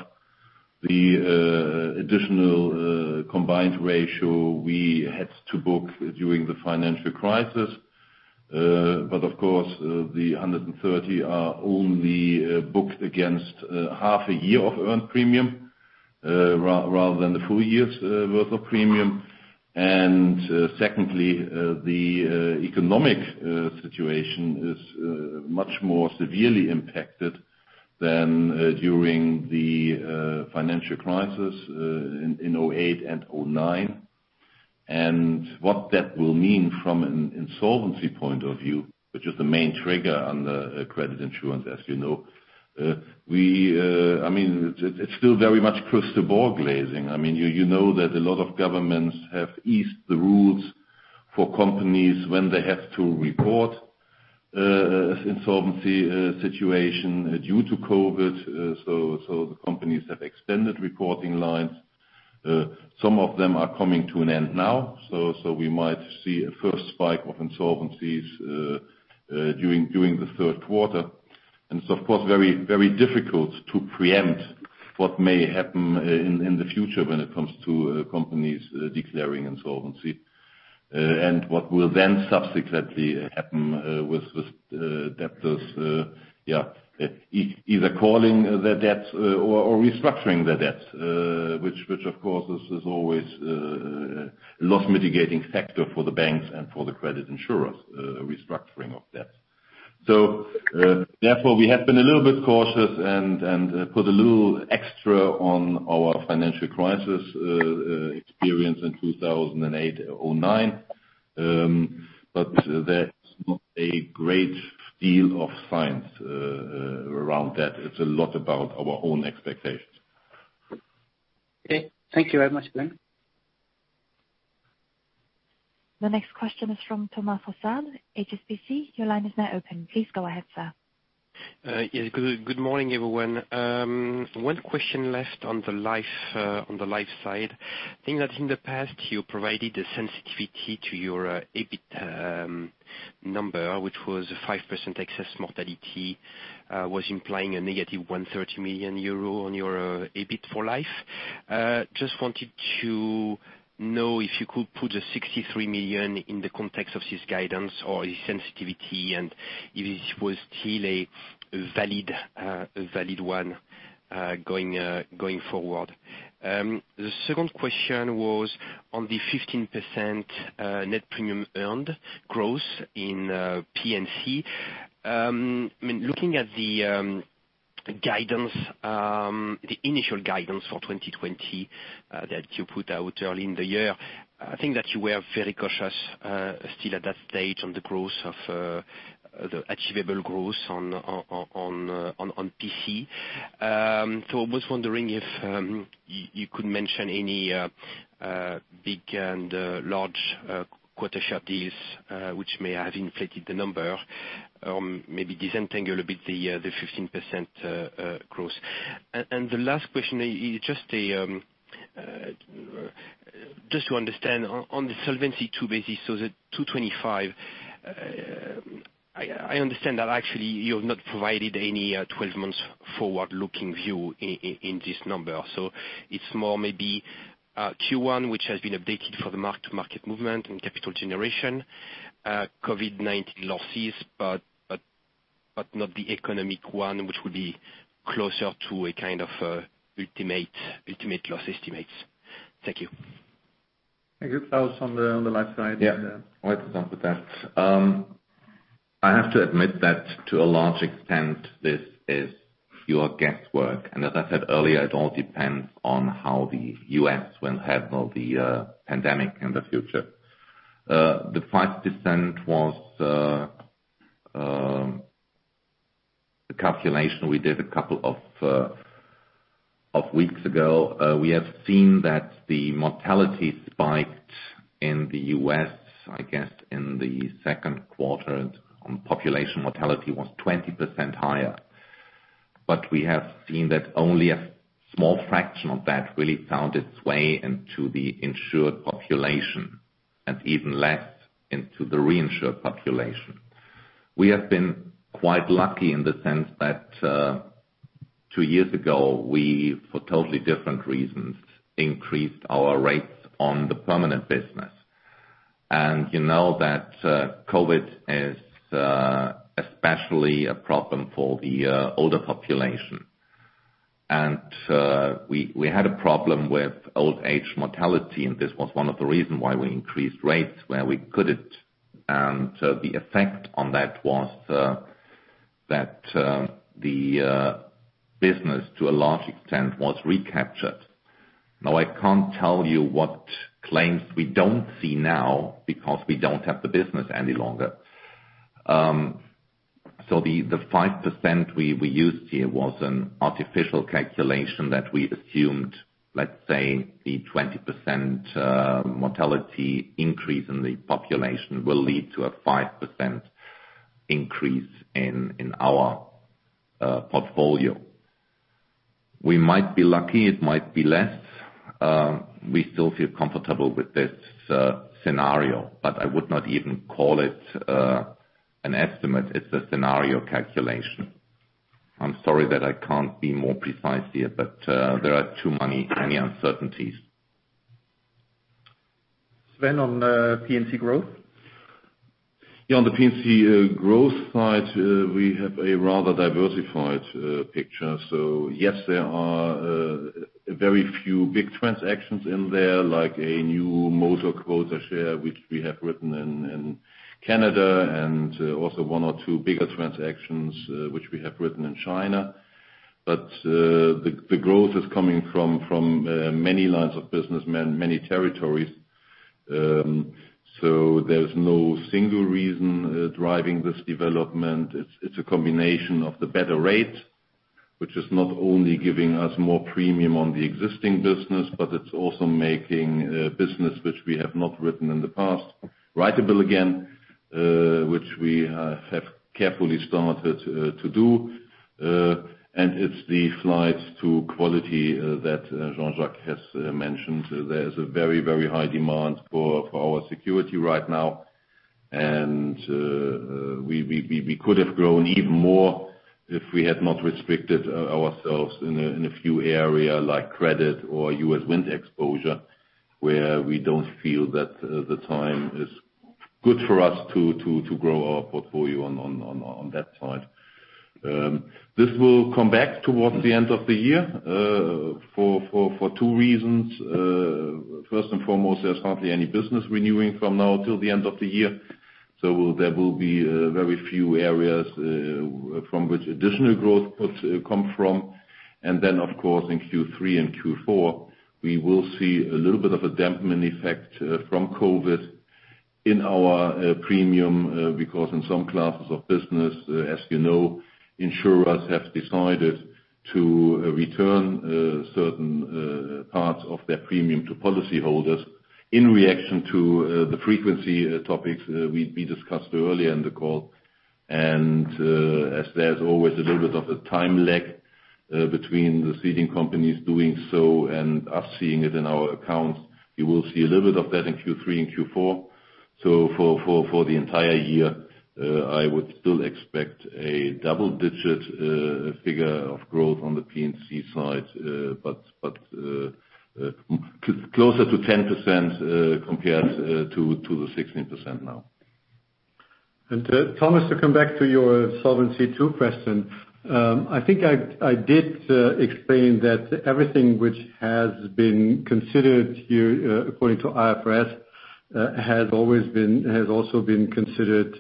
the additional Combined Ratio we had to book during the financial crisis. But of course, the 130 are only booked against half a year of earned premium, rather than the full year's worth of premium. And secondly, the economic situation is much more severely impacted than during the financial crisis in 2008 and 2009. And what that will mean from an insolvency point of view, which is the main trigger on the credit insurance, as you know. We, I mean, it, it's still very much crystal ball gazing. I mean, you know that a lot of governments have eased the rules for companies when they have to report insolvency situation due to COVID. So, so the companies have extended reporting lines. Some of them are coming to an end now, so, so we might see a first spike of insolvencies during the third quarter. And it's of course very, very difficult to preempt what may happen in the future when it comes to companies declaring insolvency. And what will then subsequently happen with this debtors, yeah, either calling their debts or restructuring their debts. Which, of course, is always a loss mitigating factor for the banks and for the credit insurers, restructuring of debts. So, therefore, we have been a little bit cautious and put a little extra on our financial crisis experience in 2008, 2009. But that's not a great deal of science around that. It's a lot about our own expectations. Okay. Thank you very much, Sven. The next question is from Thomas Fossard, HSBC. Your line is now open. Please go ahead, sir. Yes, good morning, everyone. One question left on the life side. I think that in the past, you provided a sensitivity to your EBIT number, which was a 5% excess mortality, was implying a negative 130 million euro on your EBIT for life. Just wanted to know if you could put the 63 million in the context of this guidance or its sensitivity, and if it was still a valid one going forward? The second question was on the 15% net premium earned growth in P&C. I mean, looking at the guidance, the initial guidance for 2020 that you put out early in the year, I think that you were very cautious still at that stage on the growth of the achievable growth on P&C. So I was wondering if you could mention any big and large quota share deals which may have inflated the number, maybe disentangle a bit the 15% growth. And the last question is just to understand on the Solvency II basis, so the 225, I understand that actually you have not provided any twelve months forward-looking view in this number. It's more maybe Q1, which has been updated for the mark to market movement and capital generation, COVID-19 losses, but not the economic one, which would be closer to a kind of ultimate loss estimates. Thank you. Thank you. Thoughts on the, on the life side? Yeah. Why don't we start with that? I have to admit that to a large extent, this is your guesswork. And as I said earlier, it all depends on how the U.S. will handle the pandemic in the future. The 5% was the calculation we did a couple of weeks ago. We have seen that the mortality spiked in the U.S., I guess, in the second quarter, population mortality was 20% higher. But we have seen that only a small fraction of that really found its way into the insured population, and even less into the reinsured population. We have been quite lucky in the sense that, two years ago, we, for totally different reasons, increased our rates on the permanent business. And you know that COVID is especially a problem for the older population. We had a problem with old age mortality, and this was one of the reason why we increased rates where we could it. The effect on that was that the business, to a large extent, was recaptured. Now, I can't tell you what claims we don't see now because we don't have the business any longer. So the 5% we used here was an artificial calculation that we assumed, let's say, the 20% mortality increase in the population will lead to a 5% increase in our portfolio. We might be lucky, it might be less. We still feel comfortable with this scenario, but I would not even call it an estimate. It's a scenario calculation. I'm sorry that I can't be more precise here, but there are too many, many uncertainties. Sven, on, P&C growth? Yeah, on the P&C, growth side, we have a rather diversified, picture. So yes, there are, very few big transactions in there, like a new motor quota share, which we have written in, in Canada, and also one or two bigger transactions, which we have written in China. But, the, the growth is coming from, from, many lines of business, many, many territories. So there's no single reason, driving this development. It's, it's a combination of the better rate, which is not only giving us more premium on the existing business, but it's also making, business which we have not written in the past, writable again, which we, have carefully started, to do. And it's the flights to quality, that, Jean-Jacques has, mentioned. There's a very, very high demand for our security right now. And we could have grown even more if we had not restricted ourselves in a few areas, like credit or U.S. wind exposure, where we don't feel that the time is good for us to grow our portfolio on that side. This will come back towards the end of the year for two reasons. First and foremost, there's hardly any business renewing from now till the end of the year, so there will be very few areas from which additional growth could come from. And then, of course, in Q3 and Q4, we will see a little bit of a dampening effect from COVID in our premium because in some classes of business, as you know, insurers have decided to return certain parts of their premium to policyholders in reaction to the frequency topics we discussed earlier in the call. And as there's always a little bit of a time lag between the ceding companies doing so and us seeing it in our accounts, you will see a little bit of that in Q3 and Q4. So for the entire year, I would still expect a double-digit figure of growth on the P&C side, but closer to 10% compared to the 16% now. Thomas, to come back to your Solvency II question, I think I, I did, explain that everything which has been considered here, according to IFRS, has always been, has also been considered,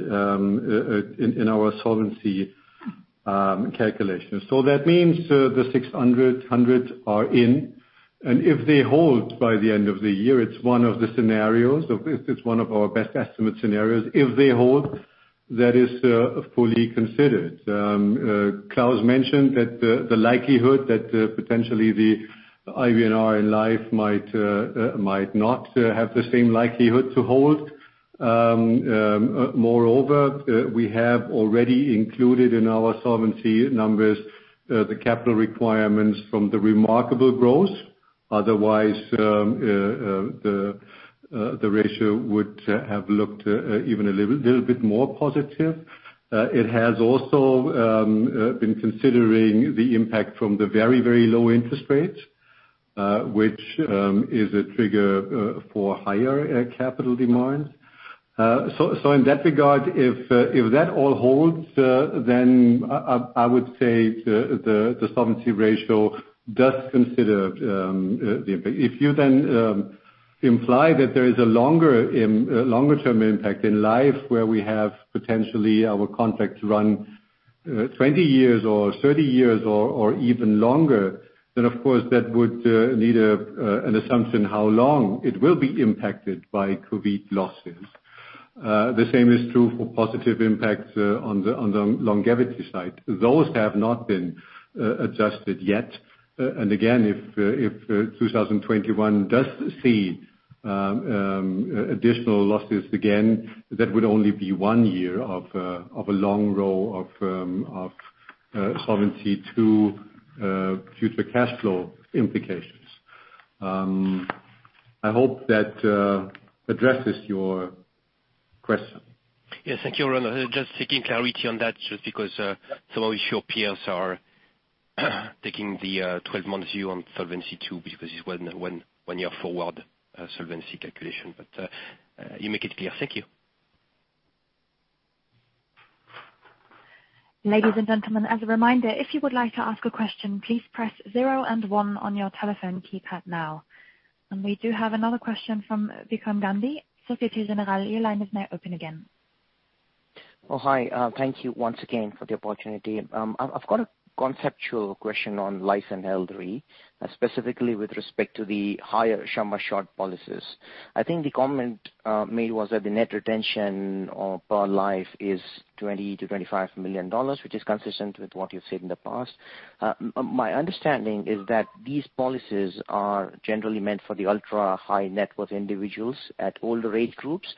in, in our solvency, calculation. So that means, the 600 are in, and if they hold by the end of the year, it's one of the scenarios. It's, it's one of our best estimate scenarios. If they hold, that is, fully considered. Klaus mentioned that, the likelihood that, potentially the IBNR in Life might, might not, have the same likelihood to hold. Moreover, we have already included in our solvency numbers, the capital requirements from the remarkable growth. Otherwise, the ratio would have looked even a little bit more positive. It has also been considering the impact from the very, very low interest rates, which is a trigger for higher capital demands. So in that regard, if that all holds, then I would say the solvency ratio does consider the impact. If you then imply that there is a longer-term impact in Life, where we have potentially our contracts run 20 years or 30 years or even longer, then, of course, that would need an assumption how long it will be impacted by COVID losses. The same is true for positive impacts on the longevity side. Those have not been adjusted yet. And again, if 2021 does see additional losses again, that would only be one year of a long row of Solvency II future cash flow implications. I hope that addresses your question. Yes, thank you, Roland. Just seeking clarity on that, just because some of your peers are taking the 12-month view on Solvency II, because it's one year forward solvency calculation, but you make it clear. Thank you. Ladies and gentlemen, as a reminder, if you would like to ask a question, please press zero and one on your telephone keypad now. We do have another question from Vikram Gandhi, Société Générale. Your line is now open again. Oh, hi. Thank you once again for the opportunity. I've got a conceptual question on life and health Re, specifically with respect to the high sum assured policies. I think the comment made was that the net retention per life is $20 million-$25 million, which is consistent with what you've said in the past. My understanding is that these policies are generally meant for the ultra high net worth individuals at older age groups,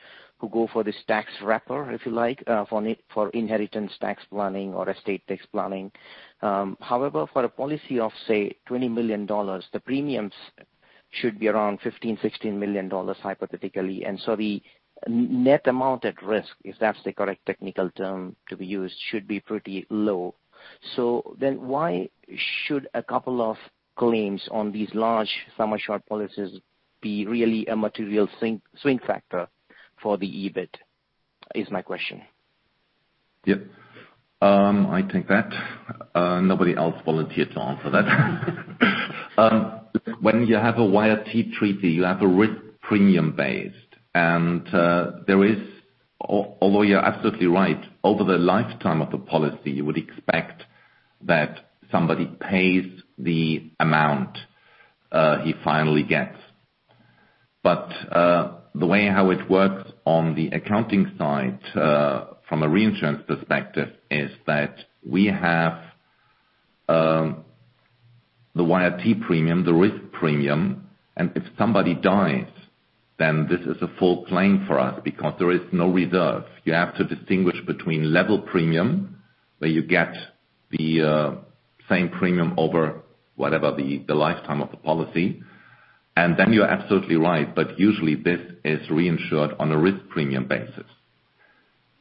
who go for this tax wrapper, if you like, for inheritance tax planning or estate tax planning. However, for a policy of, say, $20 million, the premiums should be around $15 million-$16 million, hypothetically. And so the net amount at risk, if that's the correct technical term to be used, should be pretty low. So then why should a couple of claims on these large sum assured policies be really a material swing factor for the EBIT, is my question? Yep. I take that. Nobody else volunteered to answer that. When you have a YRT treaty, you have a risk premium based. Although you're absolutely right, over the lifetime of the policy, you would expect that somebody pays the amount he finally gets. But the way how it works on the accounting side, from a reinsurance perspective, is that we have the YRT premium, the risk premium, and if somebody dies, then this is a full claim for us, because there is no reserve. You have to distinguish between level premium, where you get the same premium over whatever the lifetime of the policy, and then you're absolutely right, but usually this is reinsured on a risk premium basis.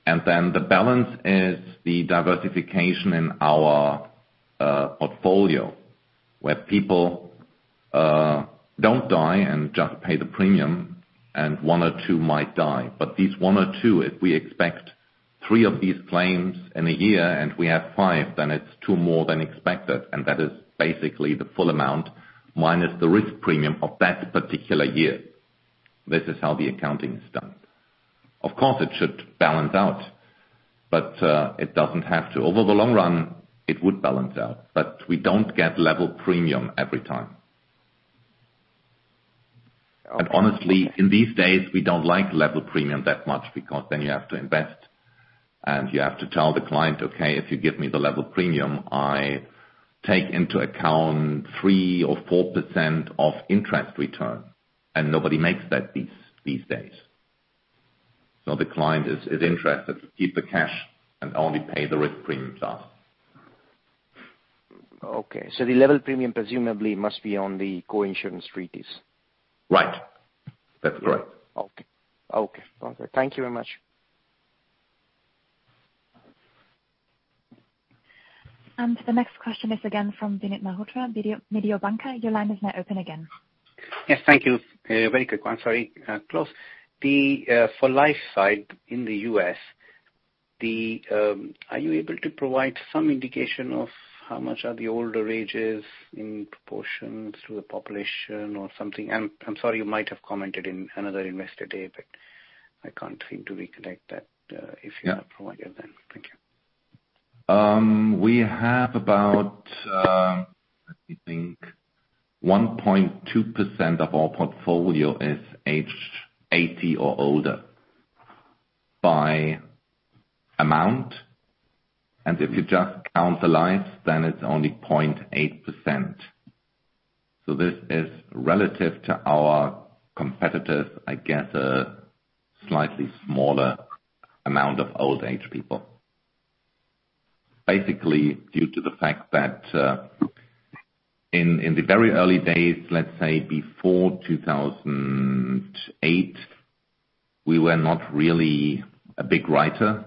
And then the balance is the diversification in our portfolio, where people don't die and just pay the premium, and one or two might die. But these one or two, if we expect 3 of these claims in a year, and we have 5, then it's 2 more than expected, and that is basically the full amount, minus the risk premium of that particular year. This is how the accounting is done. Of course, it should balance out, but it doesn't have to. Over the long run, it would balance out, but we don't get level premium every time. Okay. And honestly, in these days, we don't like level premium that much, because then you have to invest, and you have to tell the client, "Okay, if you give me the level premium, I take into account 3% or 4% of interest return," and nobody makes that these days. So the client is interested to keep the cash and only pay the risk premium to us. Okay. So the level premium presumably must be on the co-insurance treaties? Right. That's correct. Okay. Okay, thank you very much. The next question is again from Vinit Malhotra, Mediobanca. Your line is now open again. Yes, thank you. Very quick, I'm sorry, Klaus. The, for life side in the U.S., the, are you able to provide some indication of how much are the older ages in proportions to the population or something? And I'm sorry, you might have commented in another investor day, but I can't seem to recollect that. If you can provide it, then thank you. We have about, let me think, 1.2% of our portfolio is aged eighty or older, by amount, and if you just count the lives, then it's only 0.8%. So this is relative to our competitors, I guess, a slightly smaller amount of old age people. Basically, due to the fact that, in the very early days, let's say before 2008, we were not really a big writer,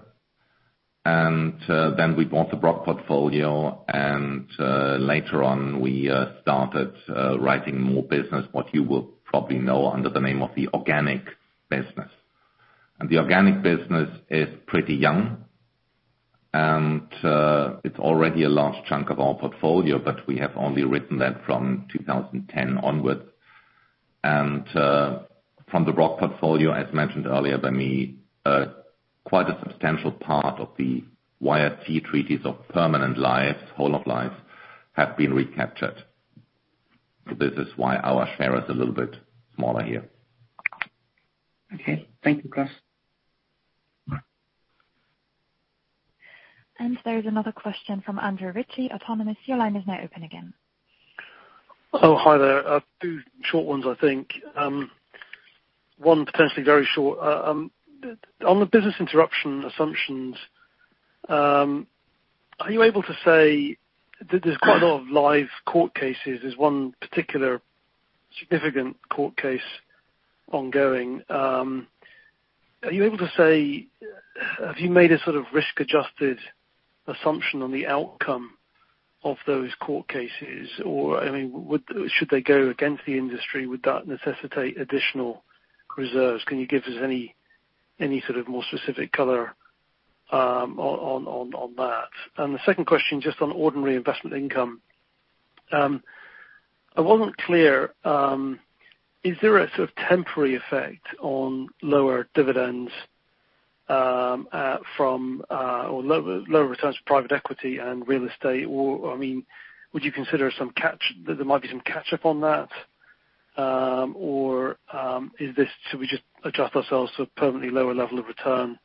and then we bought the block portfolio, and later on, we started writing more business, what you will probably know under the name of the organic business. And the organic business is pretty young, and it's already a large chunk of our portfolio, but we have only written that from 2010 onwards. From the block portfolio, as mentioned earlier by me, quite a substantial part of the YRT treaties of permanent life, whole of life, have been recaptured. So this is why our share is a little bit smaller here. Okay. Thank you, Klaus. Right. There is another question from Andrew Ritchie, Autonomous. Your line is now open again. Oh, hi there. I have two short ones, I think. One potentially very short. On the business interruption assumptions, are you able to say, there's quite a lot of live court cases. There's one particular significant court case ongoing. Are you able to say, have you made a sort of risk-adjusted assumption on the outcome of those court cases, or, I mean, would, should they go against the industry, would that necessitate additional reserves? Can you give us any, any sort of more specific color on that? And the second question, just on ordinary investment income, I wasn't clear, is there a sort of temporary effect on lower dividends from, or lower, lower returns for private equity and real estate? Or, I mean, would you consider some catch-up on that, or should we just adjust ourselves to a permanently lower level of return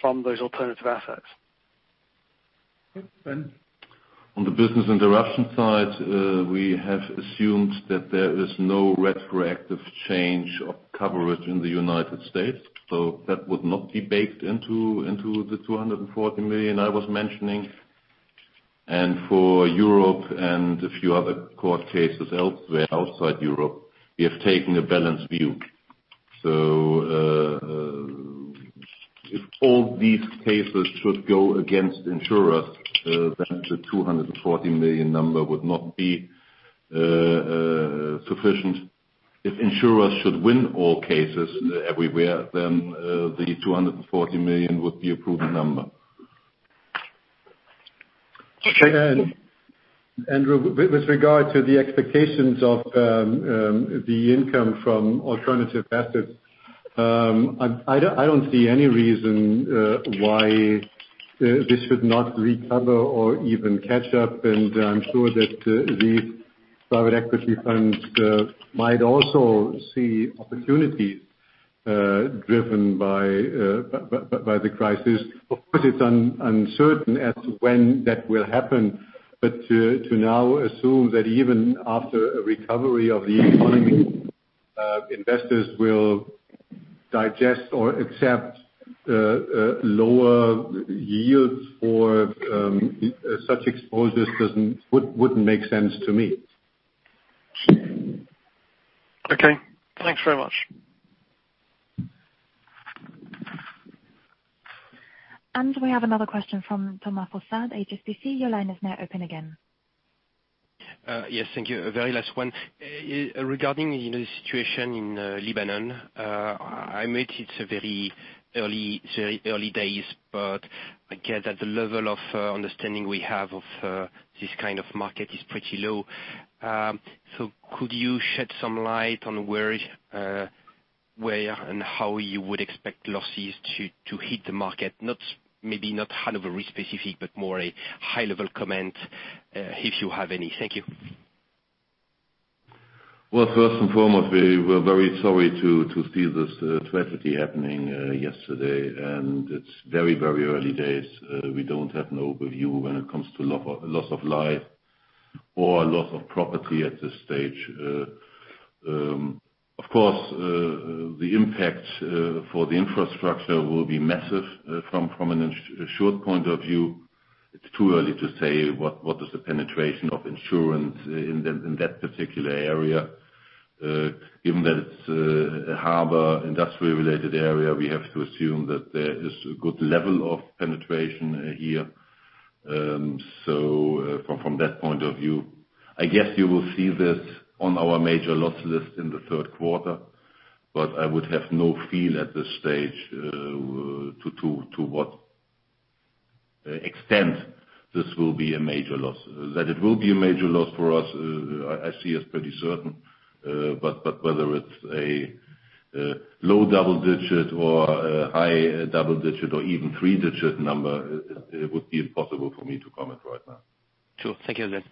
from those alternative assets? Good. Sven? On the business interruption side, we have assumed that there is no retroactive change of coverage in the United States, so that would not be baked into the 240 million I was mentioning. And for Europe and a few other court cases elsewhere, outside Europe, we have taken a balanced view. So, if all these cases should go against insurers, then the 240 million number would not be sufficient. If insurers should win all cases everywhere, then, the 240 million would be approved number. Sure. With regard to the expectations of the income from alternative assets, I don't see any reason why this should not recover or even catch up. And I'm sure that the private equity funds might also see opportunities driven by the crisis. Of course, it's uncertain as to when that will happen, but to now assume that even after a recovery of the economy, investors will digest or accept a lower yields for such exposures wouldn't make sense to me. Okay. Thanks very much. We have another question from Thomas Fossard, HSBC. Your line is now open again. Yes, thank you. A very last one. Regarding, you know, the situation in Lebanon, I admit it's a very early, very early days, but I get that the level of understanding we have of this kind of market is pretty low. So could you shed some light on where, where and how you would expect losses to, to hit the market? Not, maybe not kind of a risk specific, but more a high level comment, if you have any. Thank you. Well, first and foremost, we, we're very sorry to, to see this tragedy happening yesterday, and it's very, very early days. We don't have an overview when it comes to loss of life or loss of property at this stage. Of course, the impact for the infrastructure will be massive from an insured point of view. It's too early to say what is the penetration of insurance in that particular area. Given that it's a harbor, industrial related area, we have to assume that there is a good level of penetration here. So, from that point of view, I guess you will see this on our major loss list in the third quarter, but I would have no feel at this stage to what extent this will be a major loss. That it will be a major loss for us, I see as pretty certain, but whether it's a low double digit or a high double digit or even three digit number, it would be impossible for me to comment right now. Sure. Thank you again.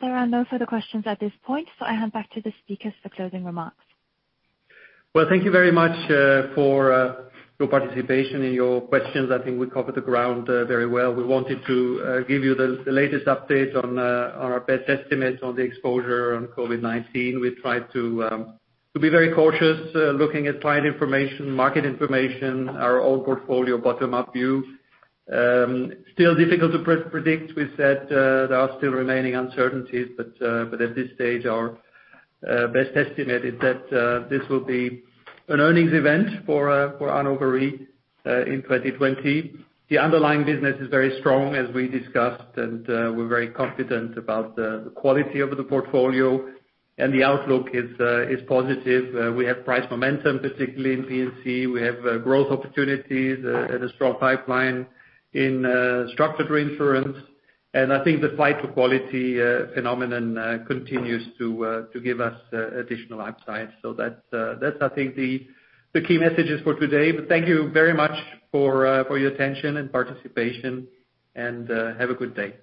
There are no further questions at this point, so I hand back to the speakers for closing remarks. Well, thank you very much for your participation and your questions. I think we covered the ground very well. We wanted to give you the latest update on our best estimates on the exposure on COVID-19. We tried to be very cautious looking at client information, market information, our old portfolio bottom-up view. Still difficult to predict. We said there are still remaining uncertainties, but at this stage, our best estimate is that this will be an earnings event for Hannover Re in 2020. The underlying business is very strong, as we discussed, and we're very confident about the quality of the portfolio, and the outlook is positive. We have price momentum, particularly in P&C. We have growth opportunities and a strong pipeline in structured reinsurance. And I think the fight for quality phenomenon continues to give us additional insight. So that's, I think, the key messages for today. But thank you very much for your attention and participation, and have a good day.